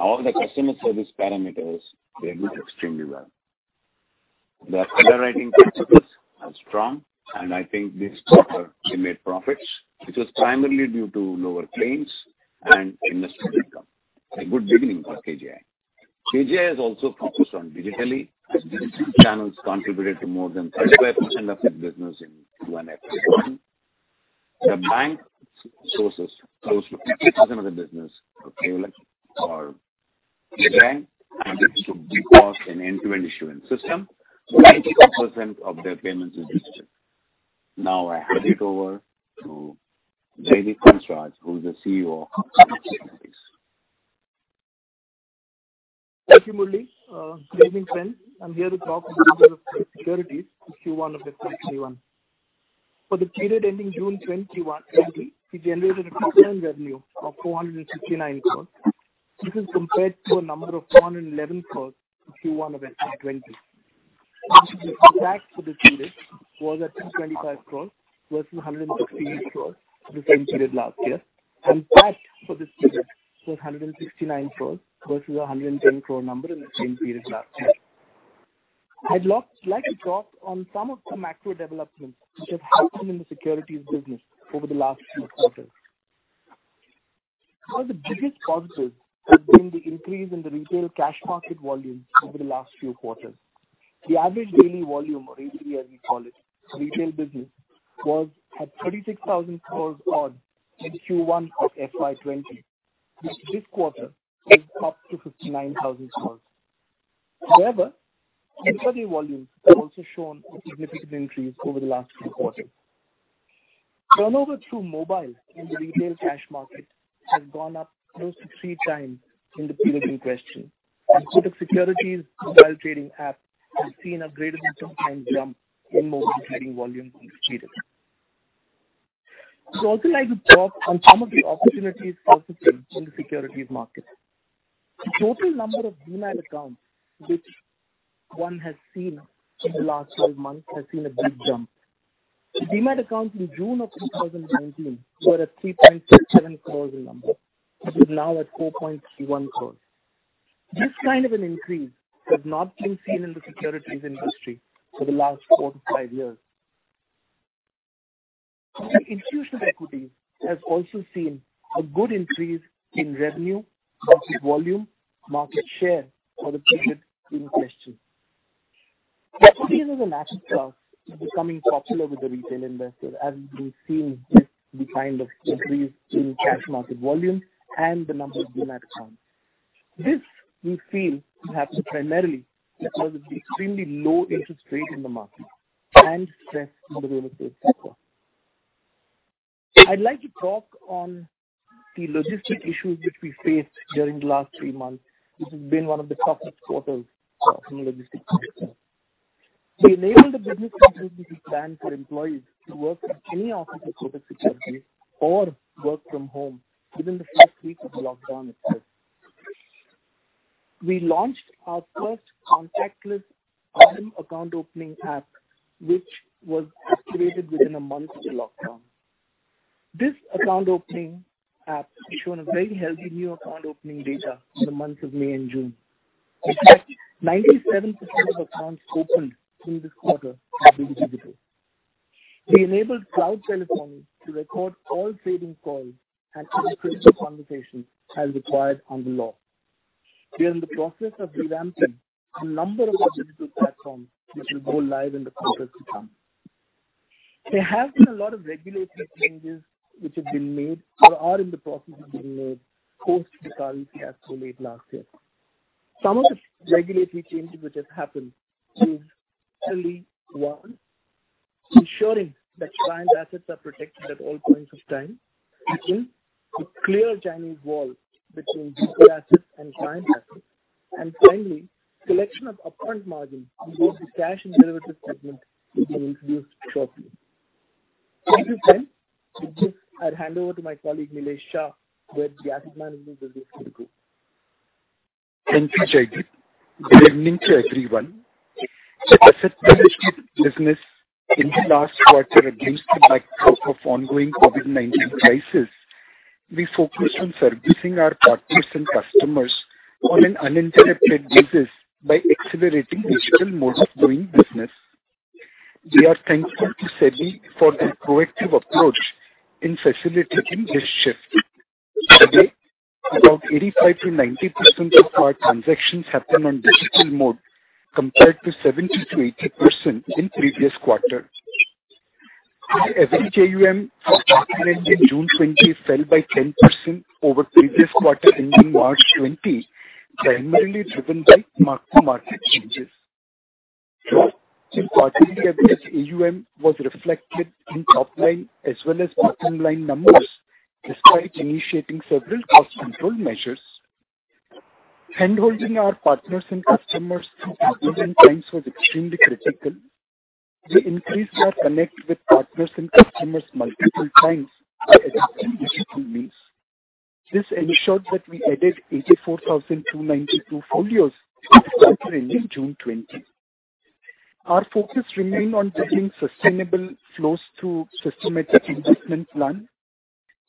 all the customer service parameters, they do extremely well. The underwriting principles are strong, and I think this quarter we made profits, which was primarily due to lower claims and investment income. A good beginning for KGI. KGI has also focused digitally, as digital channels contributed to more than 35% of its business in Q1 FY 2021. The bank sources close to 50% of the business of KLI, our bank, and it's because an end-to-end issuance system, so 94% of their payments is digital. Now, I hand it over to Jaideep Hansraj, who is the CEO of Kotak Securities. Thank you, Murali. Good evening, friends. I'm here to talk about securities for Q1 of FY 2021. For the period ending June 2020, we generated a total revenue of four hundred and sixty-nine crores. This is compared to a number of four hundred and eleven crores in Q1 of FY 2020. The PBT for this period was at two twenty-five crores versus hundred and sixty-eight crores for the same period last year, and PAT for this period was hundred and sixty-nine crores versus a hundred and ten crore number in the same period last year. I'd like to talk on some of the macro developments which have happened in the securities business over the last few quarters. One of the biggest positives has been the increase in the retail cash market volume over the last few quarters. The average daily volume, or ADV as we call it, retail business, was at 36,000 crores odd in Q1 of FY 2020, which this quarter is up to 59,000 crores. However, equity volumes have also shown a significant increase over the last few quarters. Turnover through mobile in the retail cash market has gone up close to three times in the period in question, and Kotak Securities mobile trading app has seen a greater than ten times jump in mobile trading volume this period. I'd also like to talk on some of the opportunities also in the securities market. The total number of Demat accounts, which one has seen in the last twelve months, has seen a big jump. The Demat accounts in June of 2019 were at 3.67 crores in number. It is now at 4.31 crores.... This kind of an increase has not been seen in the securities industry for the last four to five years. Institutional equity has also seen a good increase in revenue, market volume, market share for the period in question. Equity as an asset class is becoming popular with the retail investor, as we've seen with the kind of increase in cash market volume and the number of new accounts. This we feel happens primarily because of the extremely low interest rate in the market and stress in the real estate sector. I'd like to talk on the logistics issues which we faced during the last three months. This has been one of the toughest quarters for some logistics partners. We enabled the business continuity plan for employees to work in any office with security or work from home within the first week of lockdown itself. We launched our first contactless online account opening app, which was activated within a month of the lockdown. This account opening app has shown a very healthy new account opening data in the months of May and June. 97% of accounts opened in this quarter have been digital. We enabled cloud telephony to record all trading calls and customer conversations as required on the law. We are in the process of revamping a number of our digital platforms, which will go live in the quarters to come. There have been a lot of regulatory changes which have been made or are in the process of being made post fiasco late last year. Some of the regulatory changes which have happened is, actually, one, ensuring that client assets are protected at all points of time. Two, to clear Chinese walls between digital assets and client assets. Finally, collection of upfront margin in both the cash and derivatives segment, which were introduced shortly. With this said, I'd hand over to my colleague, Nilesh Shah, with the asset management business of the group. Thank you, Jaideep. Good evening to everyone. Asset management business in the last quarter against the backdrop of ongoing COVID-19 crisis, we focused on servicing our partners and customers on an uninterrupted basis by accelerating digital modes of doing business. We are thankful to SEBI for their proactive approach in facilitating this shift. Today, about 85%-90% of our transactions happen on digital mode, compared to 70%-80% in previous quarter. The average AUM for quarter ending June 2020 fell by 10% over previous quarter, ending March 2020, primarily driven by mark-to-market changes. Quarterly average AUM was reflected in top line as well as bottom line numbers, despite initiating several cost control measures. Handholding our partners and customers through turbulent times was extremely critical. We increased our connect with partners and customers multiple times by adapting digital means. This ensured that we added 84,292 folios quarter ending June 2020. Our focus remained on building sustainable flows through systematic investment plan.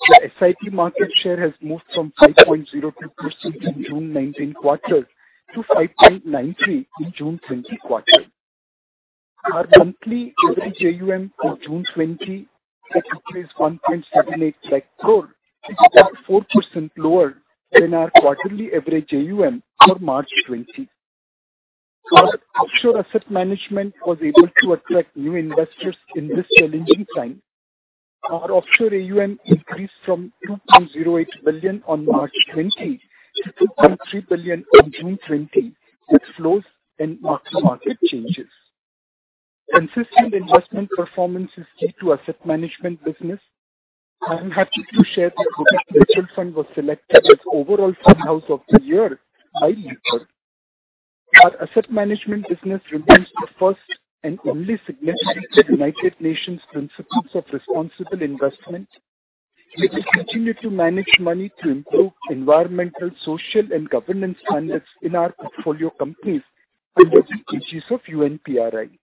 The SIP market share has moved from 5.02% in June 2019 quarter to 5.90% in June 2020 quarter. Our monthly average AUM for June 2020, that is 1.78 lakh crore, is about 4% lower than our quarterly average AUM for March 2020. Our offshore asset management was able to attract new investors in this challenging time. Our offshore AUM increased from $2.08 billion on March 2020 to $2.3 billion on June 2020, with flows and mark-to-market changes. Consistent investment performance is key to asset management business. I am happy to share that Kotak Mutual Fund was selected as overall fund house of the year by Moneycontrol. Our asset management business remains the first and only signatory to the United Nations Principles for Responsible Investment. We will continue to manage money to improve environmental, social, and governance standards in our portfolio companies under the auspices of UNPRI. Over to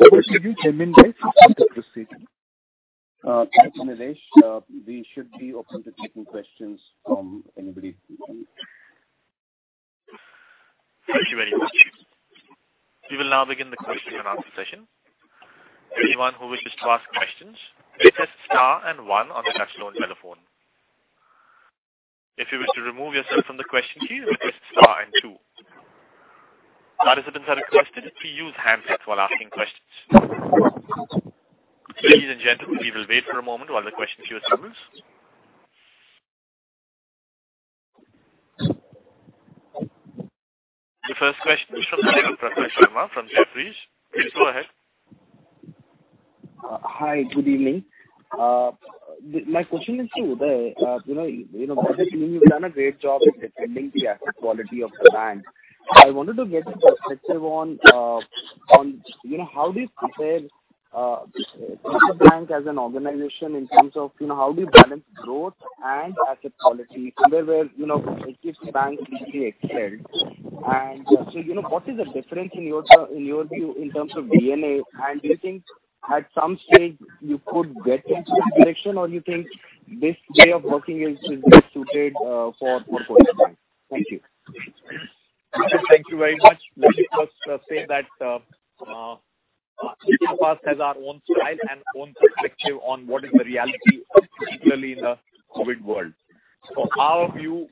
you, Hemant, for further proceeding. Thanks, Nilesh. We should be open to taking questions from anybody. Thank you very much. We will now begin the question and answer session. Anyone who wishes to ask questions, press star and one on your touchtone telephone. If you wish to remove yourself from the question queue, press star and two. Participants are requested to use handsets while asking questions. Ladies and gentlemen, we will wait for a moment while the question queue clears. The first question is from Prakaash Sharma from Geojit. Please go ahead. Hi, good evening. My question is to Uday. You know, you've done a great job in defending the asset quality of the bank. I wanted to get your perspective on, you know, how do you compare the bank as an organization in terms of, you know, how do you balance growth and asset quality where banks easily excel? And so, you know, what is the difference in your view, in terms of DNA? And do you think at some stage you could get into this direction, or you think this way of working is more suited for Kotak Mahindra? Thank you. Thank you very much. Let me first say that, we of course, have our own style and own perspective on what is the reality, particularly in the COVID world. So our view,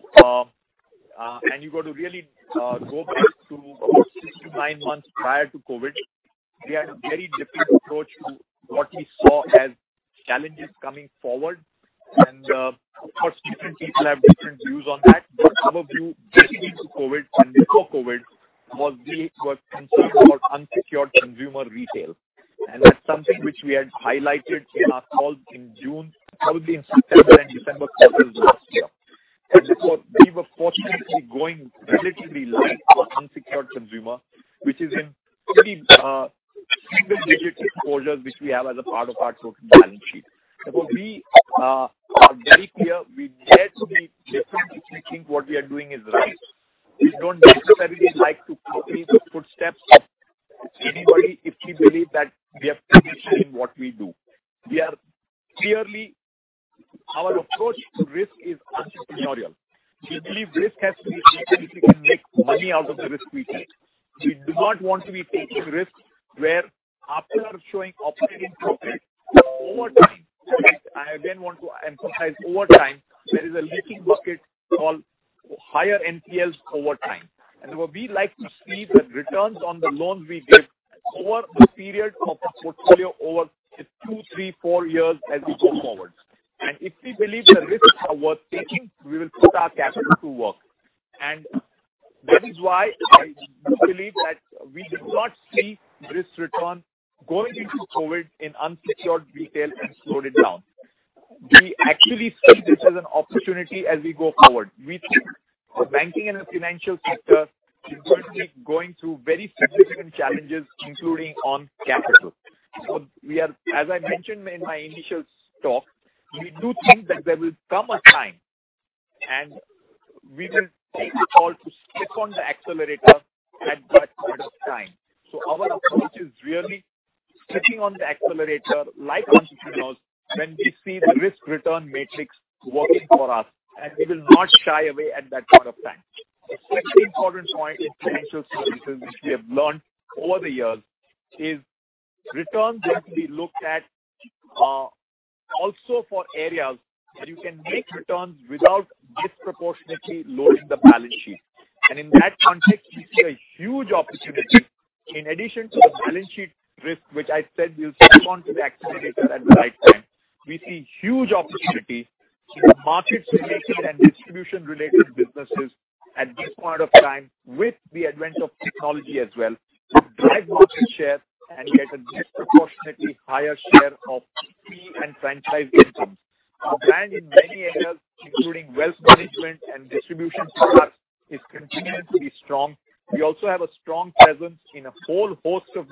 and you got to really go back to about six to nine months prior to COVID, we had a very different approach to what we saw as challenges coming forward. And, of course, different people have different views on that. But our view getting into COVID and before COVID was we were concerned about unsecured consumer retail, and that's something which we had highlighted in our call in June, probably in September and December quarters last year. And so we were fortunately going relatively light for unsecured consumer, which is in pretty, single-digit exposures, which we have as a part of our total balance sheet. We are very clear. We dare to be different if we think what we are doing is right. We don't necessarily like to copy the footsteps of anybody if we believe that we have conviction in what we do. We are clearly our approach to risk is entrepreneurial. We believe risk has to be taken if we can make money out of the risk we take. We do not want to be taking risks where after our showing operating profit, over time, I again want to emphasize over time, there is a leaking bucket called higher NPLs over time. And what we like to see the returns on the loans we give over the period of a portfolio over a two, three, four years as we go forward. And if we believe the risks are worth taking, we will put our capital to work. That is why I do believe that we did not see risk return going into COVID in unsecured retail and slowed it down. We actually see this as an opportunity as we go forward. We think the banking and the financial sector is currently going through very significant challenges, including on capital. We are, as I mentioned in my initial talk, we do think that there will come a time, and we will take the call to step on the accelerator at that point of time. Our approach is really stepping on the accelerator like entrepreneurs when we see the risk-return matrix working for us, and we will not shy away at that point of time. A second important point in financial services, which we have learned over the years, is returns have to be looked at, also for areas where you can make returns without disproportionately loading the balance sheet. And in that context, we see a huge opportunity. In addition to the balance sheet risk, which I said, we'll step on to the accelerator at the right time, we see huge opportunity in the markets-related and distribution-related businesses at this point of time, with the advent of technology as well, to drive market share and get a disproportionately higher share of fee and franchise incomes. Our brand in many areas, including wealth management and distribution products, is continuing to be strong. We also have a strong presence in a whole host of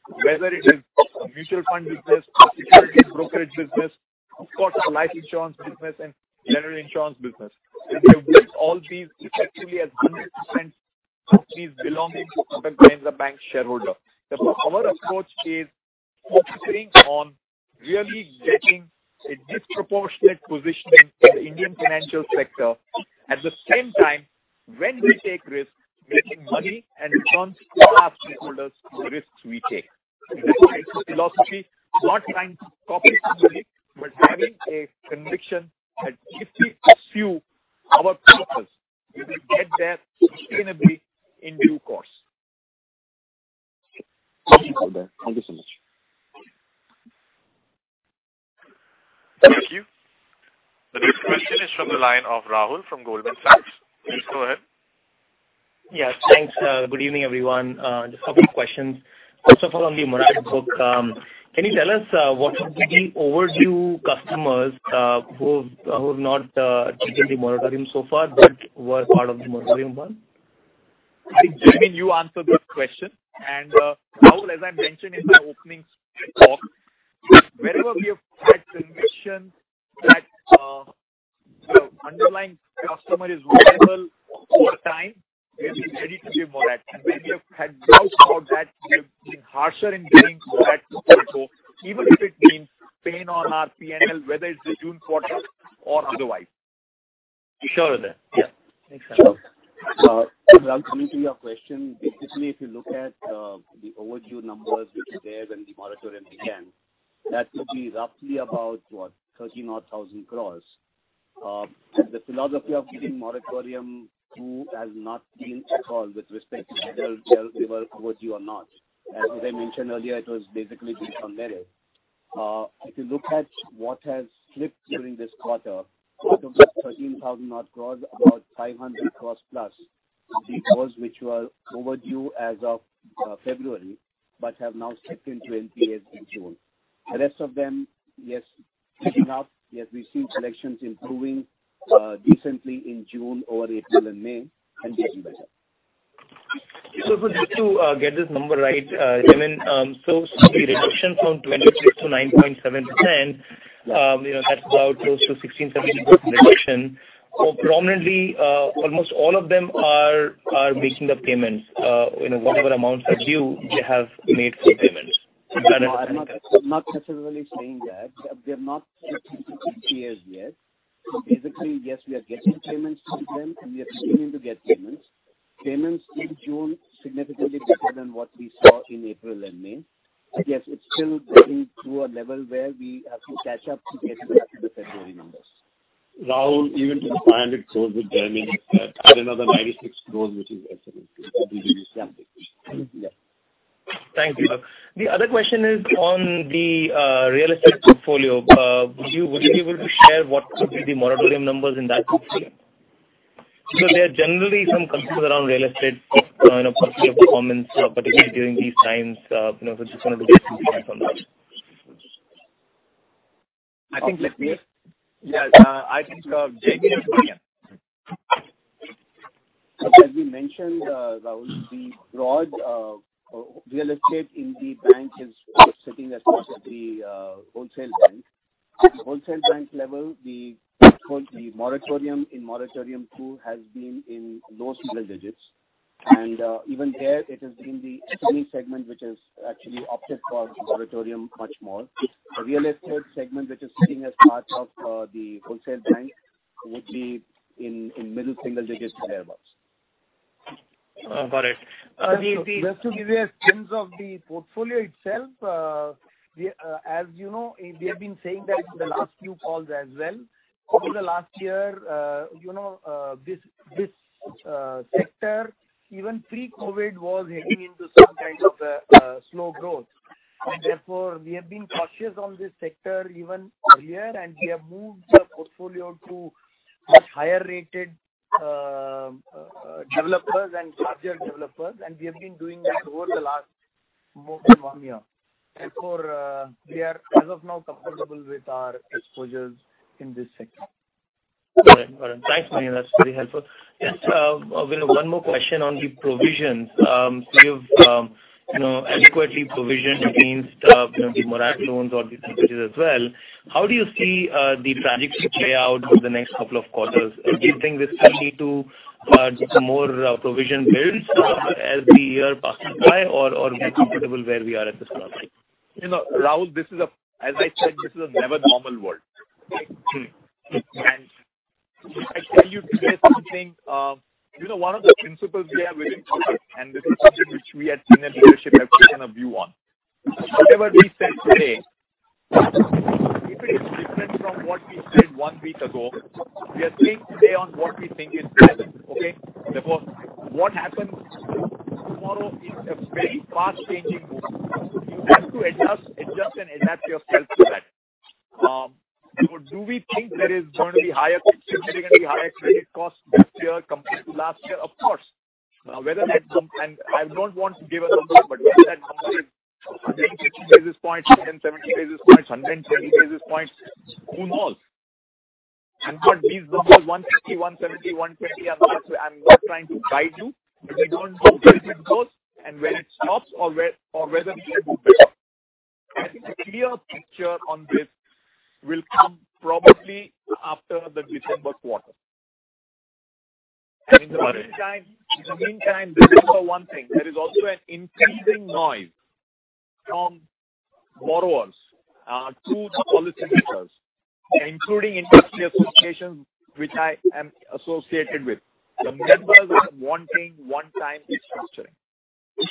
businesses, whether it is a mutual fund business, a securities brokerage business, of course, a life insurance business, and general insurance business. We have built all these effectively as 100% of these belonging to Kotak Mahindra Bank shareholder. Therefore, our approach is focusing on really getting a disproportionate positioning in the Indian financial sector. At the same time, when we take risks, making money and returns for our shareholders, the risks we take. That's our philosophy, not trying to copy somebody, but having a conviction that if we pursue our purpose, we will get there sustainably in due course. Thank you, Madan. Thank you so much. Thank you. The next question is from the line of Rahul from Goldman Sachs. Please go ahead. Yes, thanks. Good evening, everyone. Just a couple of questions. First of all, on the moratorium book, can you tell us what the overdue customers are who have not taken the moratorium so far, but were part of the moratorium one? I think Jaimin, you answer this question. And, Rahul, as I mentioned in my opening talk, wherever we have had conviction that the underlying customer is viable over time, we have been ready to give moratorium. And when we have had doubts about that, we have been harsher in giving moratorium, even if it means pain on our P&L, whether it's the June quarter or otherwise. Sure, Madan. Yeah. Makes sense. Rahul, coming to your question, basically, if you look at the overdue numbers which were there when the moratorium began, that would be roughly about, what? Thirteen odd thousand crores. The philosophy of giving moratorium to has not been at all with respect to whether they were overdue or not. As I mentioned earlier, it was basically being on merit. If you look at what has slipped during this quarter, out of that thirteen thousand odd crores, about five hundred crores plus, crores which were overdue as of February, but have now slipped into NPA in June. The rest of them, yes, cleaning up. Yes, we see collections improving decently in June over April and May, and getting better.... So just to get this number right, Jaimin, so the reduction from 23 to 9.7%, you know, that's about close to 16-17% reduction. So prominently, almost all of them are making the payments. You know, whatever amounts are due, they have made full payments. I'm not, I'm not necessarily saying that. They're not paying as yet. Basically, yes, we are getting payments from them, and we are continuing to get payments. Payments in June significantly better than what we saw in April and May. I guess it's still getting to a level where we have to catch up to get to the February numbers. Rahul, even to the 500 crores with Jaimin, add another 96 crores, which is excellent. Thank you. The other question is on the real estate portfolio. Would you be able to share what could be the moratorium numbers in that portfolio? So there are generally some concerns around real estate, you know, portfolio performance, particularly during these times, you know, so just wanted to get your views on that. I think, yeah, JB? As we mentioned, Rahul, the broad real estate in the bank is sitting as the wholesale bank. Wholesale bank level, the moratorium in moratorium two has been in low single digits. And, even there, it has been the SME segment which has actually opted for the moratorium much more. The real estate segment, which is sitting as part of the wholesale bank, would be in middle single digits, thereabouts. Got it. Just to give you a sense of the portfolio itself, as you know, we have been saying that in the last few calls as well, over the last year, you know, this sector, even pre-COVID, was heading into some kind of slow growth. Therefore, we have been cautious on this sector even earlier, and we have moved the portfolio to much higher rated developers and larger developers, and we have been doing that over the last more than one year. Therefore, we are, as of now, comfortable with our exposures in this sector. Got it. Got it. Thanks, Mani. That's very helpful. Yes, we have one more question on the provisions. You've, you know, adequately provisioned against, you know, the moratorium loans or the privileges as well. How do you see the trajectory play out over the next couple of quarters? Do you think we still need to get some more provision builds as we are passing by, or, or we're comfortable where we are at this point? You know, Rahul, this is a. As I said, this is a never normal world. And I tell you today something, you know, one of the principles we have within public, and this is something which we at senior leadership have taken a view on. Whatever we say today, if it is different from what we said one week ago, we are saying today on what we think is present, okay? Therefore, what happens tomorrow is a very fast-changing world. You have to adjust, adjust, and adapt yourself to that. So do we think there is going to be higher, significantly higher credit costs this year compared to last year? Of course. Whether that come. And I don't want to give a number, but whether that number is 150 basis points, 170 basis points, 120 basis points, who knows? What these numbers, 150, 170, 120, I'm not, I'm not trying to guide you, but we don't know where it goes and when it stops or where, or whether it will go back. I think a clear picture on this will come probably after the December quarter. Got it. In the meantime, remember one thing, there is also an increasing noise from borrowers to the policymakers, including industry associations, which I am associated with. The members are wanting one time restructuring.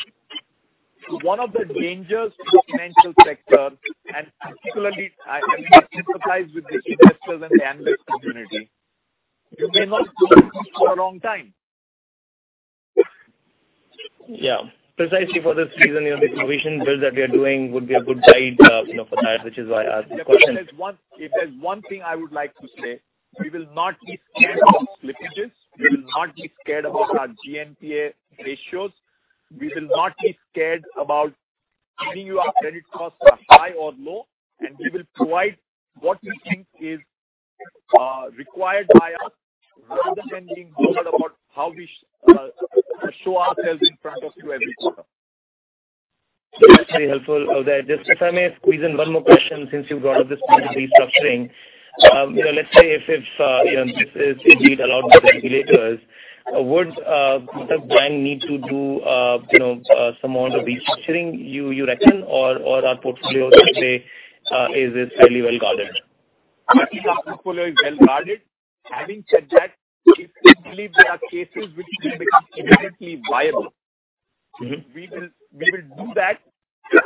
One of the dangers to the financial sector, and particularly, I think this applies with the investors and the analyst community, you may not do this for a long time. Yeah. Precisely for this reason, you know, the provision build that we are doing would be a good guide, you know, for that, which is why I asked the question. If there's one thing I would like to say, we will not be scared of slippages. We will not be scared about our GNPA ratios. We will not be scared about giving you our credit costs are high or low, and we will provide what we think is required by us, rather than being worried about how we show ourselves in front of you every quarter. That's very helpful. Just if I may squeeze in one more question, since you've brought up this point of restructuring. You know, let's say if you know this is indeed allowed by the regulators, would the bank need to do you know some amount of restructuring, you reckon, or our portfolio today is fairly well guarded? I think our portfolio is well guarded. Having said that, if we believe there are cases which will become immediately viable, we will, we will do that.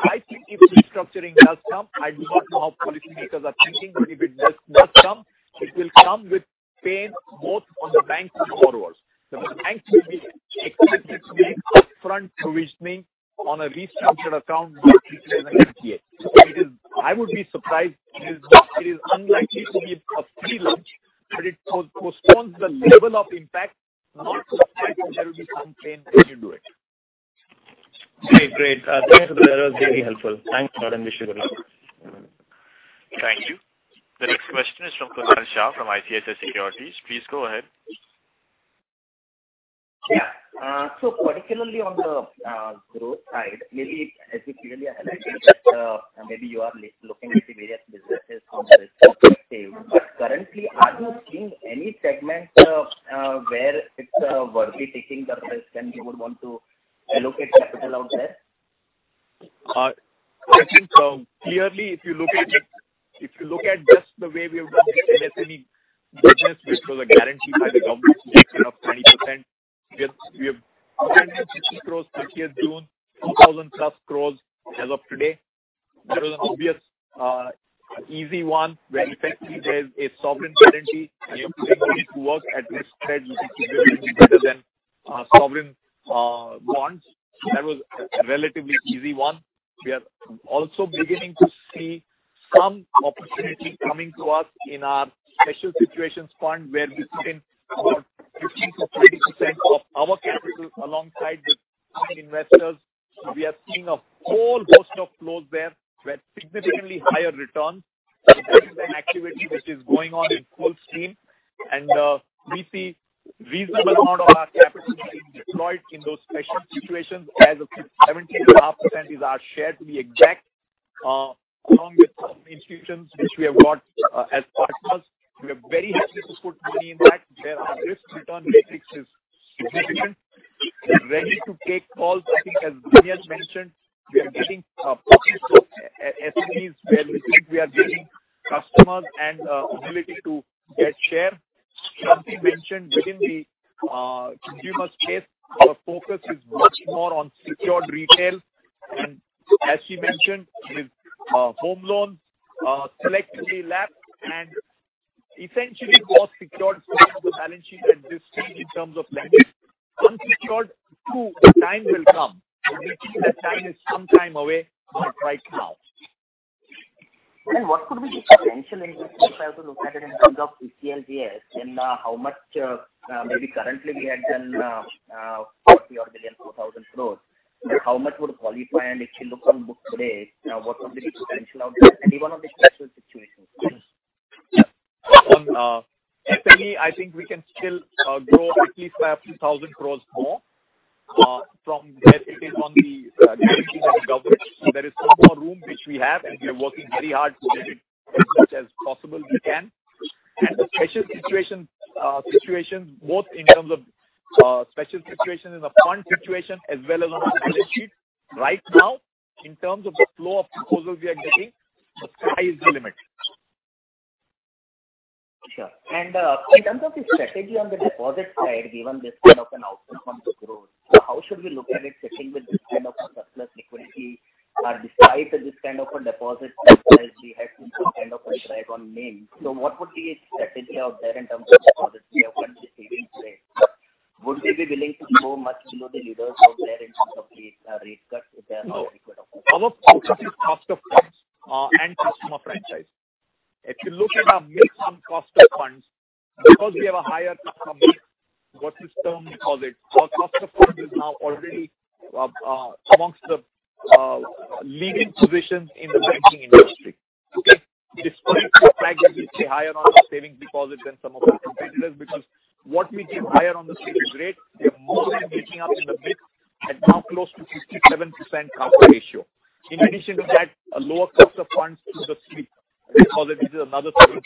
I think if restructuring does come, I do not know how policymakers are thinking, but if it does come, it will come with pain both on the banks and borrowers. The banks will be expected to make upfront provisioning on a restructured account, just like an NPA. So it is. I would be surprised, it is unlikely to be a free lunch, but it postpones the level of impact, not despite there will be some pain when you do it. Great. Great. Thank you for that. That was very helpful. Thanks a lot, and wish you good luck.... Thank you. The next question is from Kunal Shah, from ICICI Securities. Please go ahead. Yeah, so particularly on the growth side, maybe as you clearly highlighted, that maybe you are looking at the various businesses from this perspective. But currently, are you seeing any segment where it's worthy taking the risk, and you would want to allocate capital out there? I think clearly, if you look at it, if you look at just the way we have done the SME business, which was a guarantee by the government to the extent of 20%, we have 160 crores till year June, 2,000+ crores as of today. That was an obvious easy one, where effectively there is a sovereign guarantee, and you're putting money to work at risk spread, which is significantly better than sovereign bonds. That was a relatively easy one. We are also beginning to see some opportunity coming to us in our special situations fund, where we've seen about 15%-20% of our capital alongside with some investors. We are seeing a whole host of flows there with significantly higher returns. That is an activity which is going on in full steam, and we see reasonable amount of our capital being deployed in those special situations as of 17.5% is our share, to be exact, along with some institutions which we have got as partners. We are very happy to put money in that, where our risk-return matrix is significant. We're ready to take calls. I think as Nilesh mentioned, we are getting a focus of SMEs, where we think we are getting customers and ability to get share. Shanti mentioned within the consumer space, our focus is much more on secured retail, and as she mentioned, with home loans selectively lapped and essentially more secured space of the balance sheet at this stage in terms of lending. Unsecured, too, the time will come, and we think that time is some time away, but not right now. What could be the potential in this, if I have to look at it in terms of PCLBS, and how much maybe currently we have done 40-odd billion, 4,000 crores, but how much would qualify and actually look on books today? What would be the potential out there and even on the special situations? SME, I think we can still grow at least by a few thousand crores more. From there, it is on the guarantee of the government. So there is some more room which we have, and we are working very hard to get it as much as possible we can. And the special situation, situation, both in terms of special situation in the front situation as well as on our balance sheet. Right now, in terms of the flow of proposals we are getting, the sky is the limit. Sure. And, in terms of the strategy on the deposit side, given this kind of an outlook on the growth, how should we look at it fitting with this kind of a surplus liquidity, or despite this kind of a deposit strategy had to be some kind of a drive on NIM? So what would be a strategy out there in terms of deposits we have been receiving to date? Would we be willing to go much below the lenders out there in terms of the rate cuts if they are not liquid enough? Our focus is cost of funds and customer franchise. If you look at our mix on cost of funds, because we have a higher customer mix, what this term calls it, our cost of funds is now already amongst the leading positions in the banking industry. Okay? Despite the fact that we stay higher on our savings deposits than some of our competitors, because what we gave higher on the savings rate, we are more than making up in the mix and now close to 57% CASA ratio. In addition to that, a lower cost of funds through the sweep. Let's call it, this is another 13%.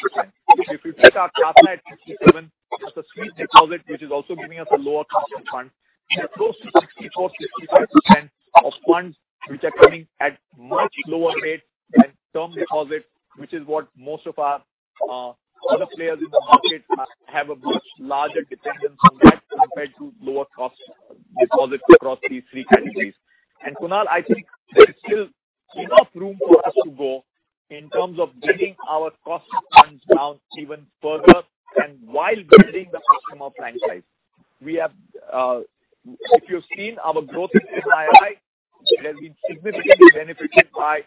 If you take our CASA at 57%, it's a sweep deposit, which is also giving us a lower cost of funds. We are close to 64-65% of funds which are coming at much lower rate than term deposits, which is what most of our other players in the market have a much larger dependence on that compared to lower cost deposits across these three categories. And Kunal, I think there is still enough room for us to go in terms of getting our cost of funds down even further and while building the customer franchise. We have. If you've seen our growth in NII, it has been significantly benefited by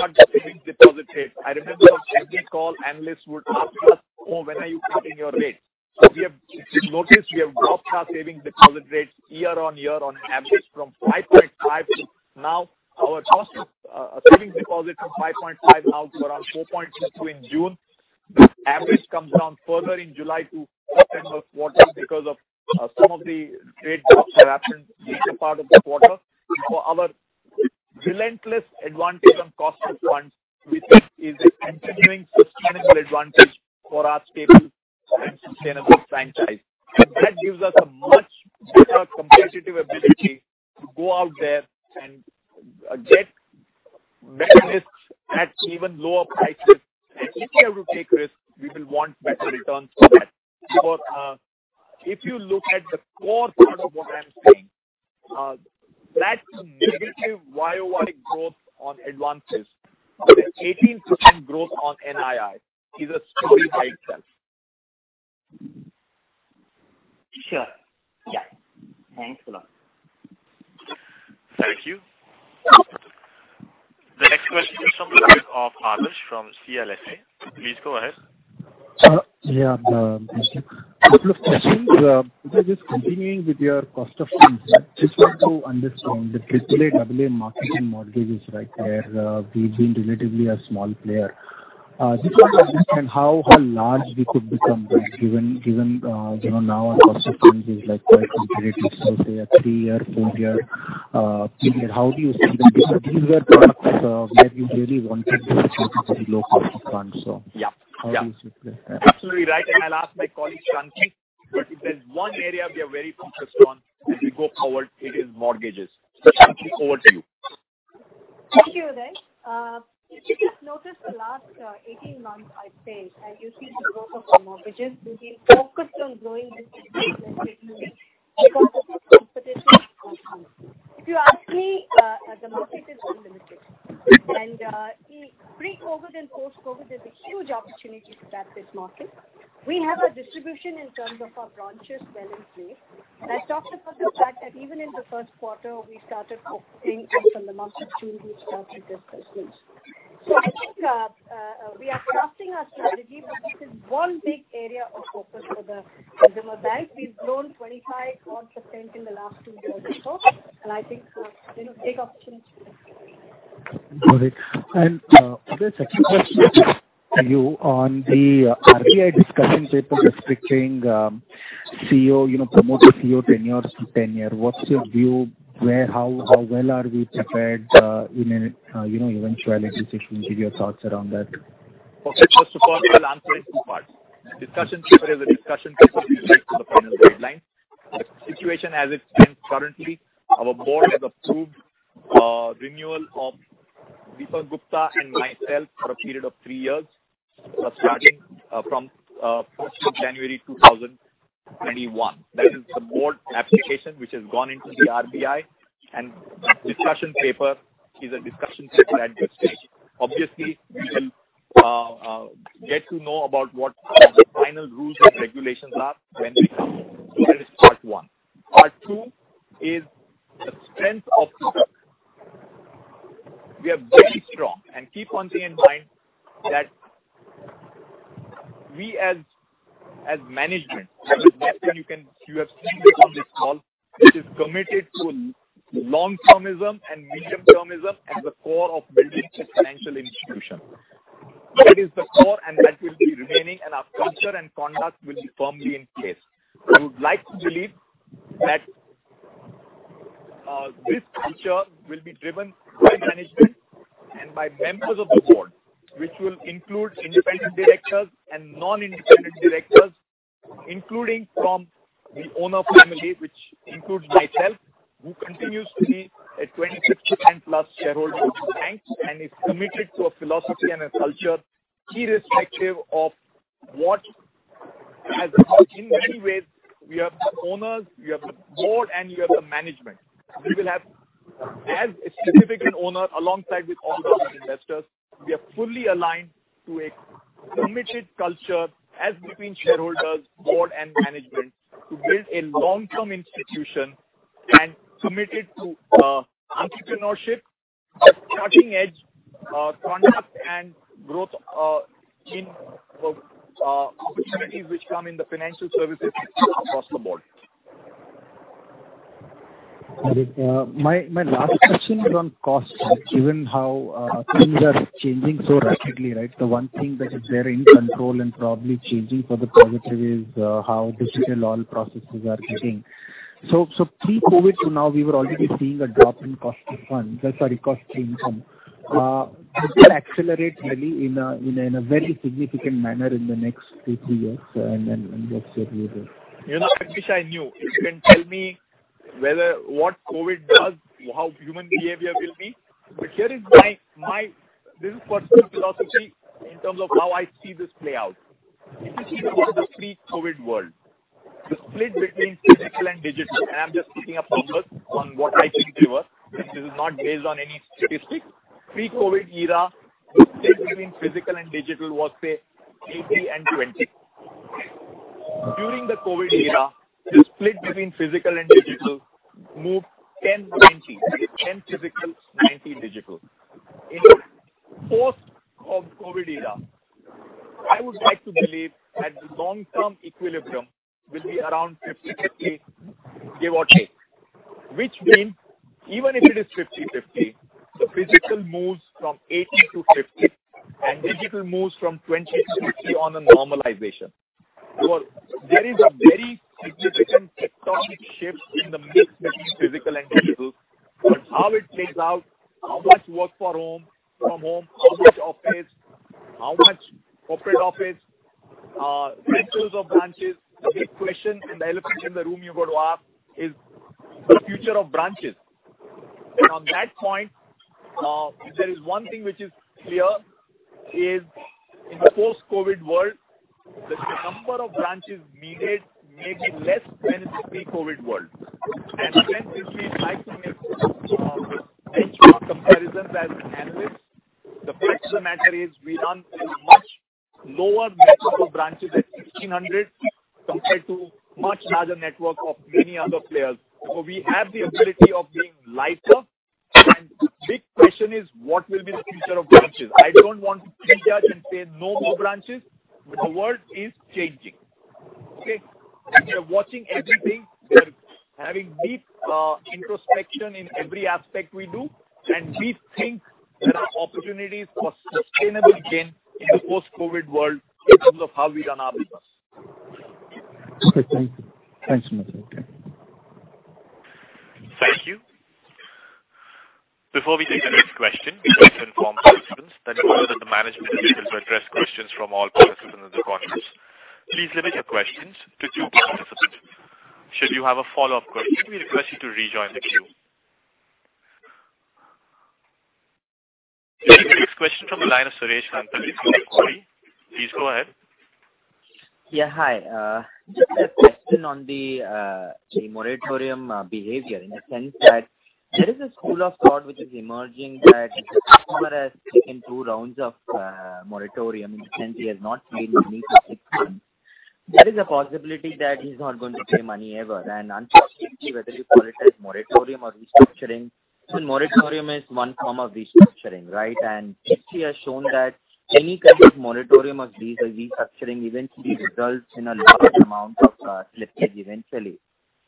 our savings deposit rate. I remember on every call, analysts would ask us, "Oh, when are you cutting your rates?" So we have, if you've noticed, we have dropped our savings deposit rates year on year on average from 5.5% to now, our cost of savings deposit from 5.5% now to around 4.62% in June. The average comes down further in July to September quarter because of some of the rate drops that happened later part of the quarter. So our relentless advantage on cost of funds, which is a continuing sustainable advantage for our stable and sustainable franchise. That gives us a much better competitive ability to go out there and get better risks at even lower prices. And if we have to take risk, we will want better returns for that. If you look at the core part of what I'm saying, that's negative YOY growth on advances. Okay? 18% growth on NII is a story by itself. Sure. Yeah. Thanks a lot. Thank you. The next question is from the desk of Harish from CLSA. Please go ahead.... Yeah, couple of questions. Just continuing with your cost of funds, I just want to understand the AAA, double A mark-to-market mortgages right there. We've been relatively a small player. Just want to understand how large we could become there, given, you know, now our cost of funds is like quite competitive, so say a three-year, four-year, how do you see them? These are products where we really wanted to low cost of funds, so- Yeah. How do you see that? Absolutely right, and I'll ask my colleague, Shanti, but if there's one area we are very focused on as we go forward, it is mortgages. So Shanti, over to you. Thank you, Uday. If you've noticed the last 18 months, I'd say, as you see the growth of the mortgages, we've been focused on growing this because this is competition. If you ask me, the market is very limited. In pre-COVID and post-COVID, there's a huge opportunity to tap this market. We have our distribution in terms of our branches well in place. I talked about the fact that even in the first quarter, we started focusing, and from the month of June, we started this business. So I think we are trusting our strategy, but this is one big area of focus for the bank. We've grown 25% odd in the last 2 years or so, and I think, you know, big opportunity. There's a second question for you on the RBI discussion paper restricting CEO, you know, promoter CEO tenure. What's your view? Where, how well are we prepared, you know, eventually, if you could give your thoughts around that. Okay. Just to first, I'll answer in two parts. Discussion paper is a discussion paper to the final guideline. Situation as it stands currently, our board has approved, renewal of Dipak Gupta and myself for a period of three years, starting, from, first of January two thousand twenty-one. That is the board application which has gone into the RBI, and discussion paper is a discussion paper at this stage. Obviously, we will, get to know about what the final rules and regulations are when they come. So that is part one. Part two is the strength of the product. We are very strong, and keep one thing in mind, that we, as, as management, as is nothing you can, you have seen before this call, it is committed to long-termism and medium-termism as the core of building a financial institution. That is the core, and that will be remaining, and our culture and conduct will be firmly in place. We would like to believe that, this culture will be driven by management and by members of the board, which will include independent directors and non-independent directors, including from the owner family, which includes myself, who continues to be a 26% plus shareholder to the bank, and is committed to a philosophy and a culture irrespective of what... In many ways, we have the owners, we have the board, and we have the management. We will have, as a significant owner, alongside with all the other investors, we are fully aligned to a committed culture as between shareholders, board, and management, to build a long-term institution and committed to, entrepreneurship, a cutting edge, conduct and growth, in, opportunities which come in the financial services across the board. My last question is on costs, given how things are changing so rapidly, right? The one thing that is there in control and probably changing for the positive is how digital all processes are getting. So pre-COVID to now, we were already seeing a drop in cost of funds, sorry, cost income. Could that accelerate really in a very significant manner in the next two, three years? And what's your view there? You know, I wish I knew. If you can tell me whether what COVID does, how human behavior will be, but here is my personal philosophy in terms of how I see this play out. If you think about the pre-COVID world, the split between physical and digital, and I'm just making up numbers on what I think they were. This is not based on any statistic. Pre-COVID era, the split between physical and digital was, say, eighty and twenty. During the COVID era, the split between physical and digital moved ten, twenty, ten physical, ninety digital. In the post-COVID era, I would like to believe that the long-term equilibrium will be around fifty-fifty, give or take. Which means, even if it is fifty-fifty, the physical moves from eighty to fifty, and digital moves from twenty to fifty on a normalization. There is a very significant tectonic shift in the mix between physical and digital. But how it plays out, how much work from home, how much office, how much corporate office, ratios of branches. The big question and the elephant in the room you've got to ask is the future of branches. On that point, there is one thing which is clear, is in the post-COVID world, the number of branches needed may be less than the pre-COVID world. Then this means like comparisons as an analyst, the fact of the matter is, we run a much lower network of branches at 1,600 compared to much larger network of many other players. We have the ability of being lighter. The question is, what will be the future of branches? I don't want to prejudge and say, no more branches, but the world is changing. Okay? We are watching everything. We are having deep introspection in every aspect we do, and we think there are opportunities for sustainable gain in the post-COVID world in terms of how we run our business. Okay, thank you. Thanks so much. Okay. Thank you. Before we take the next question, we'd like to inform participants that you know that the management is able to address questions from all participants in the conference. Please limit your questions to two parts. Should you have a follow-up question, we request you to rejoin the queue. The next question from the line of Suresh Ganapathy, from Macquarie. Please go ahead. Yeah, hi. Just a question on the moratorium behavior, in the sense that there is a school of thought which is emerging, that the customer has taken two rounds of moratorium, in the sense he has not paid money for six months. There is a possibility that he's not going to pay money ever, and unfortunately, whether you call it as moratorium or restructuring, so moratorium is one form of restructuring, right? And history has shown that any kind of moratorium of these or restructuring eventually results in a larger amount of slippage eventually.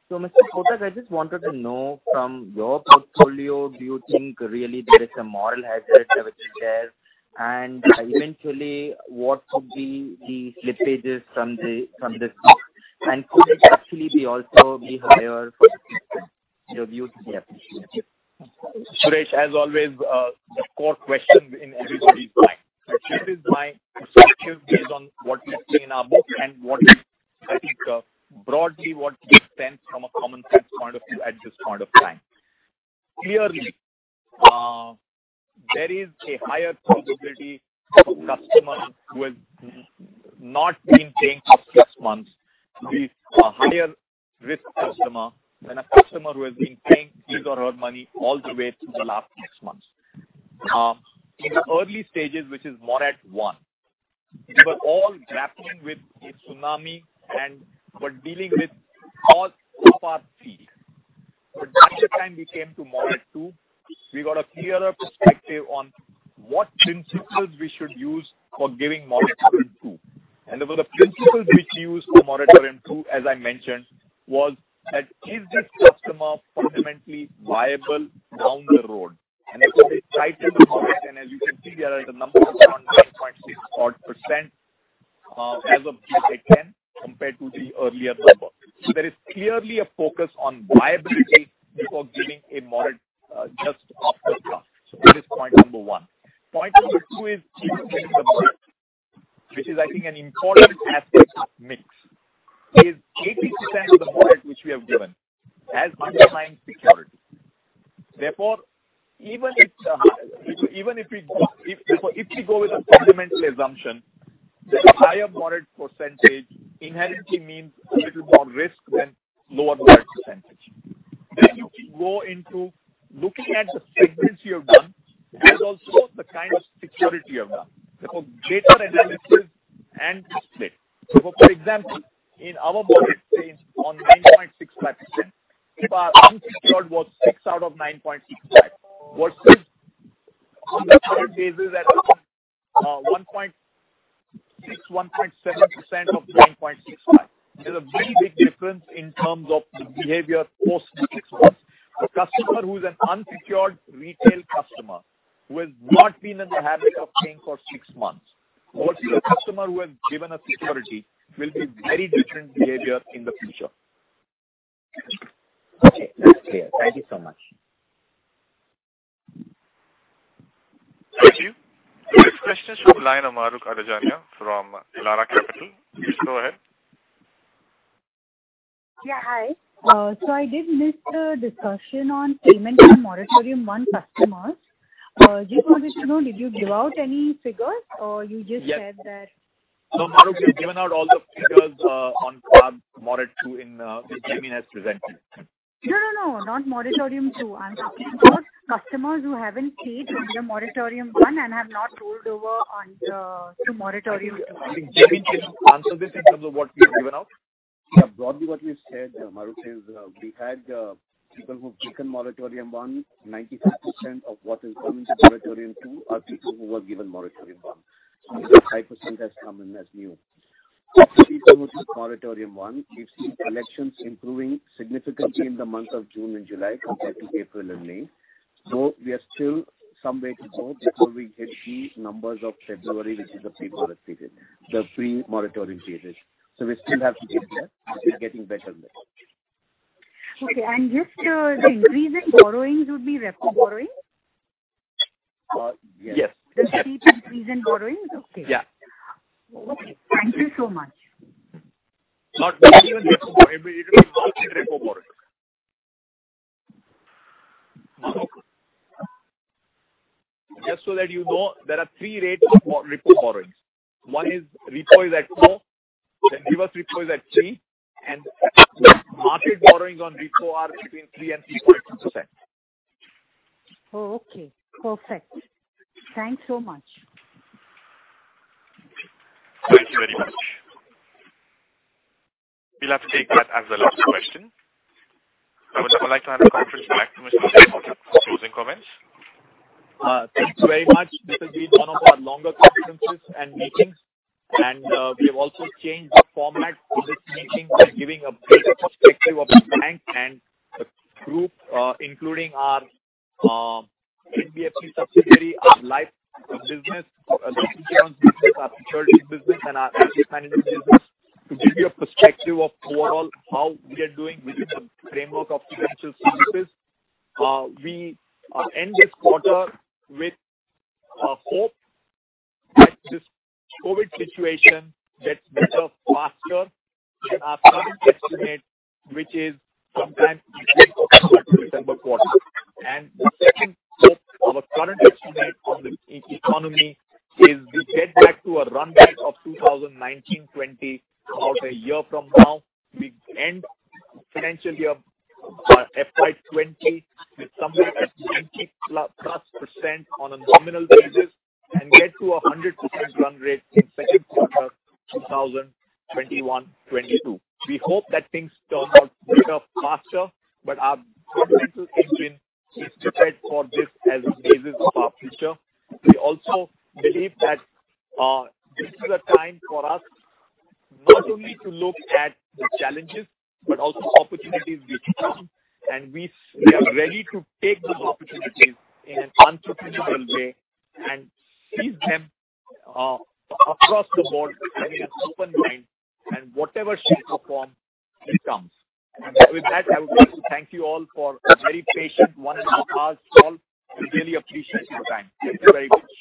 So Mr. Kotak, I just wanted to know from your portfolio, do you think really there is a moral hazard which is there? And eventually, what could be the slippages from this book? And could it actually also be higher for the system? It would be appreciated. Suresh, as always, the core question in everybody's mind. So here is my perspective based on what we see in our book and what I think, broadly, what we sense from a common sense point of view at this point of time. Clearly, there is a higher probability of a customer who has not been paying for six months to be a higher risk customer than a customer who has been paying his or her money all the way through the last six months. In the early stages, which is moratorium one, we were all grappling with a tsunami and were dealing with all of our fee. But by the time we came to moratorium two, we got a clearer perspective on what principles we should use for giving moratorium two. There were the principles which we used for moratorium 2.0, as I mentioned, was that: is this customer fundamentally viable down the road? As we tightened the moratorium, and as you can see, the numbers are on 9.6-odd%, as of Q ten, compared to the earlier number. So there is clearly a focus on viability before giving a moratorium, just off the cuff. So that is point number one. Point number two is in the moratorium, which is, I think, an important aspect of mix, is 80% of the moratorium which we have given has underlying security. Therefore, even if we go. If we go with a fundamental assumption, that a higher moratorium percentage inherently means a little more risk than lower moratorium percentage. Then you go into looking at the segments you have done, and also the kind of security you have done. Therefore, data analysis and display. So for example, in our moratorium space on 9.65%, if our unsecured was 6 out of 9.65, versus on the current basis at 1.6, 1.7% of 9.65%. There's a very big difference in terms of the behavior post six months. A customer who is an unsecured retail customer, who has not been in the habit of paying for six months, versus a customer who has given a security, will be very different behavior in the future. Okay, that's clear. Thank you so much. Thank you. The next question is from the line of Mahrukh Adajania, from Elara Capital. Please go ahead. Yeah, hi. So I did miss the discussion on payment for moratorium one customers. Just wanted to know, did you give out any figures, or you just said that- Maruk, we've given out all the figures on moratorium 2.0, which Jaimin has presented. No, no, no, not moratorium two. I'm talking about customers who haven't paid under moratorium one, and have not rolled over to moratorium two. Jaimin, can you answer this in terms of what we have given out? Yeah, broadly what we've said, Mahrukh, is we've had people who've taken moratorium one. 95% of what is coming to moratorium two are people who were given moratorium one. So only 5% has come in as new. Moratorium one, we've seen collections improving significantly in the months of June and July, compared to April and May. So we are still some way to go before we get the numbers of February, which is the pre-moratorium period, the pre-moratorium period. So we still have to get there. We're getting better there. Okay. And just, the increase in borrowings would be repo borrowings? Uh, yes. Yes. The steep increase in borrowings? Okay. Yeah. Thank you so much. Not even repo borrowing, it will be mostly repo borrowing. Mahrukh, just so that you know, there are three rates for repo borrowings. One is, repo is at 2%, then reverse repo is at 3%, and market borrowings on repo are between 3% and 3.2%. Oh, okay. Perfect. Thanks so much.... We'll have to take that as the last question. I would now like to hand the conference back to Mr. Jain for the closing comments. Thanks very much. This has been one of our longer conferences and meetings, and we have also changed the format for this meeting by giving a better perspective of the bank and the group, including our NBFC subsidiary, our life business, our insurance business, our securities business, and our asset management business, to give you a perspective of overall how we are doing within the framework of financial services. We end this quarter with hope that this COVID situation gets better faster than our current estimate, which is sometime in the December quarter, and the second hope, our current estimate on the economy is we get back to a run rate of 2019-20, about a year from now. We end financial year FY 2020 with somewhere at 90% plus on a nominal basis, and get to a 100% run rate in second quarter 2021-22. We hope that things turn out better faster, but our confidence has been prepared for this as a basis of our future. We also believe that this is a time for us not only to look at the challenges, but also opportunities which come, and we are ready to take those opportunities in an entrepreneurial way and seize them across the board with an open mind, and whatever shape or form it comes. With that, I would like to thank you all for a very patient one and a half hours call. We really appreciate your time. Thank you very much.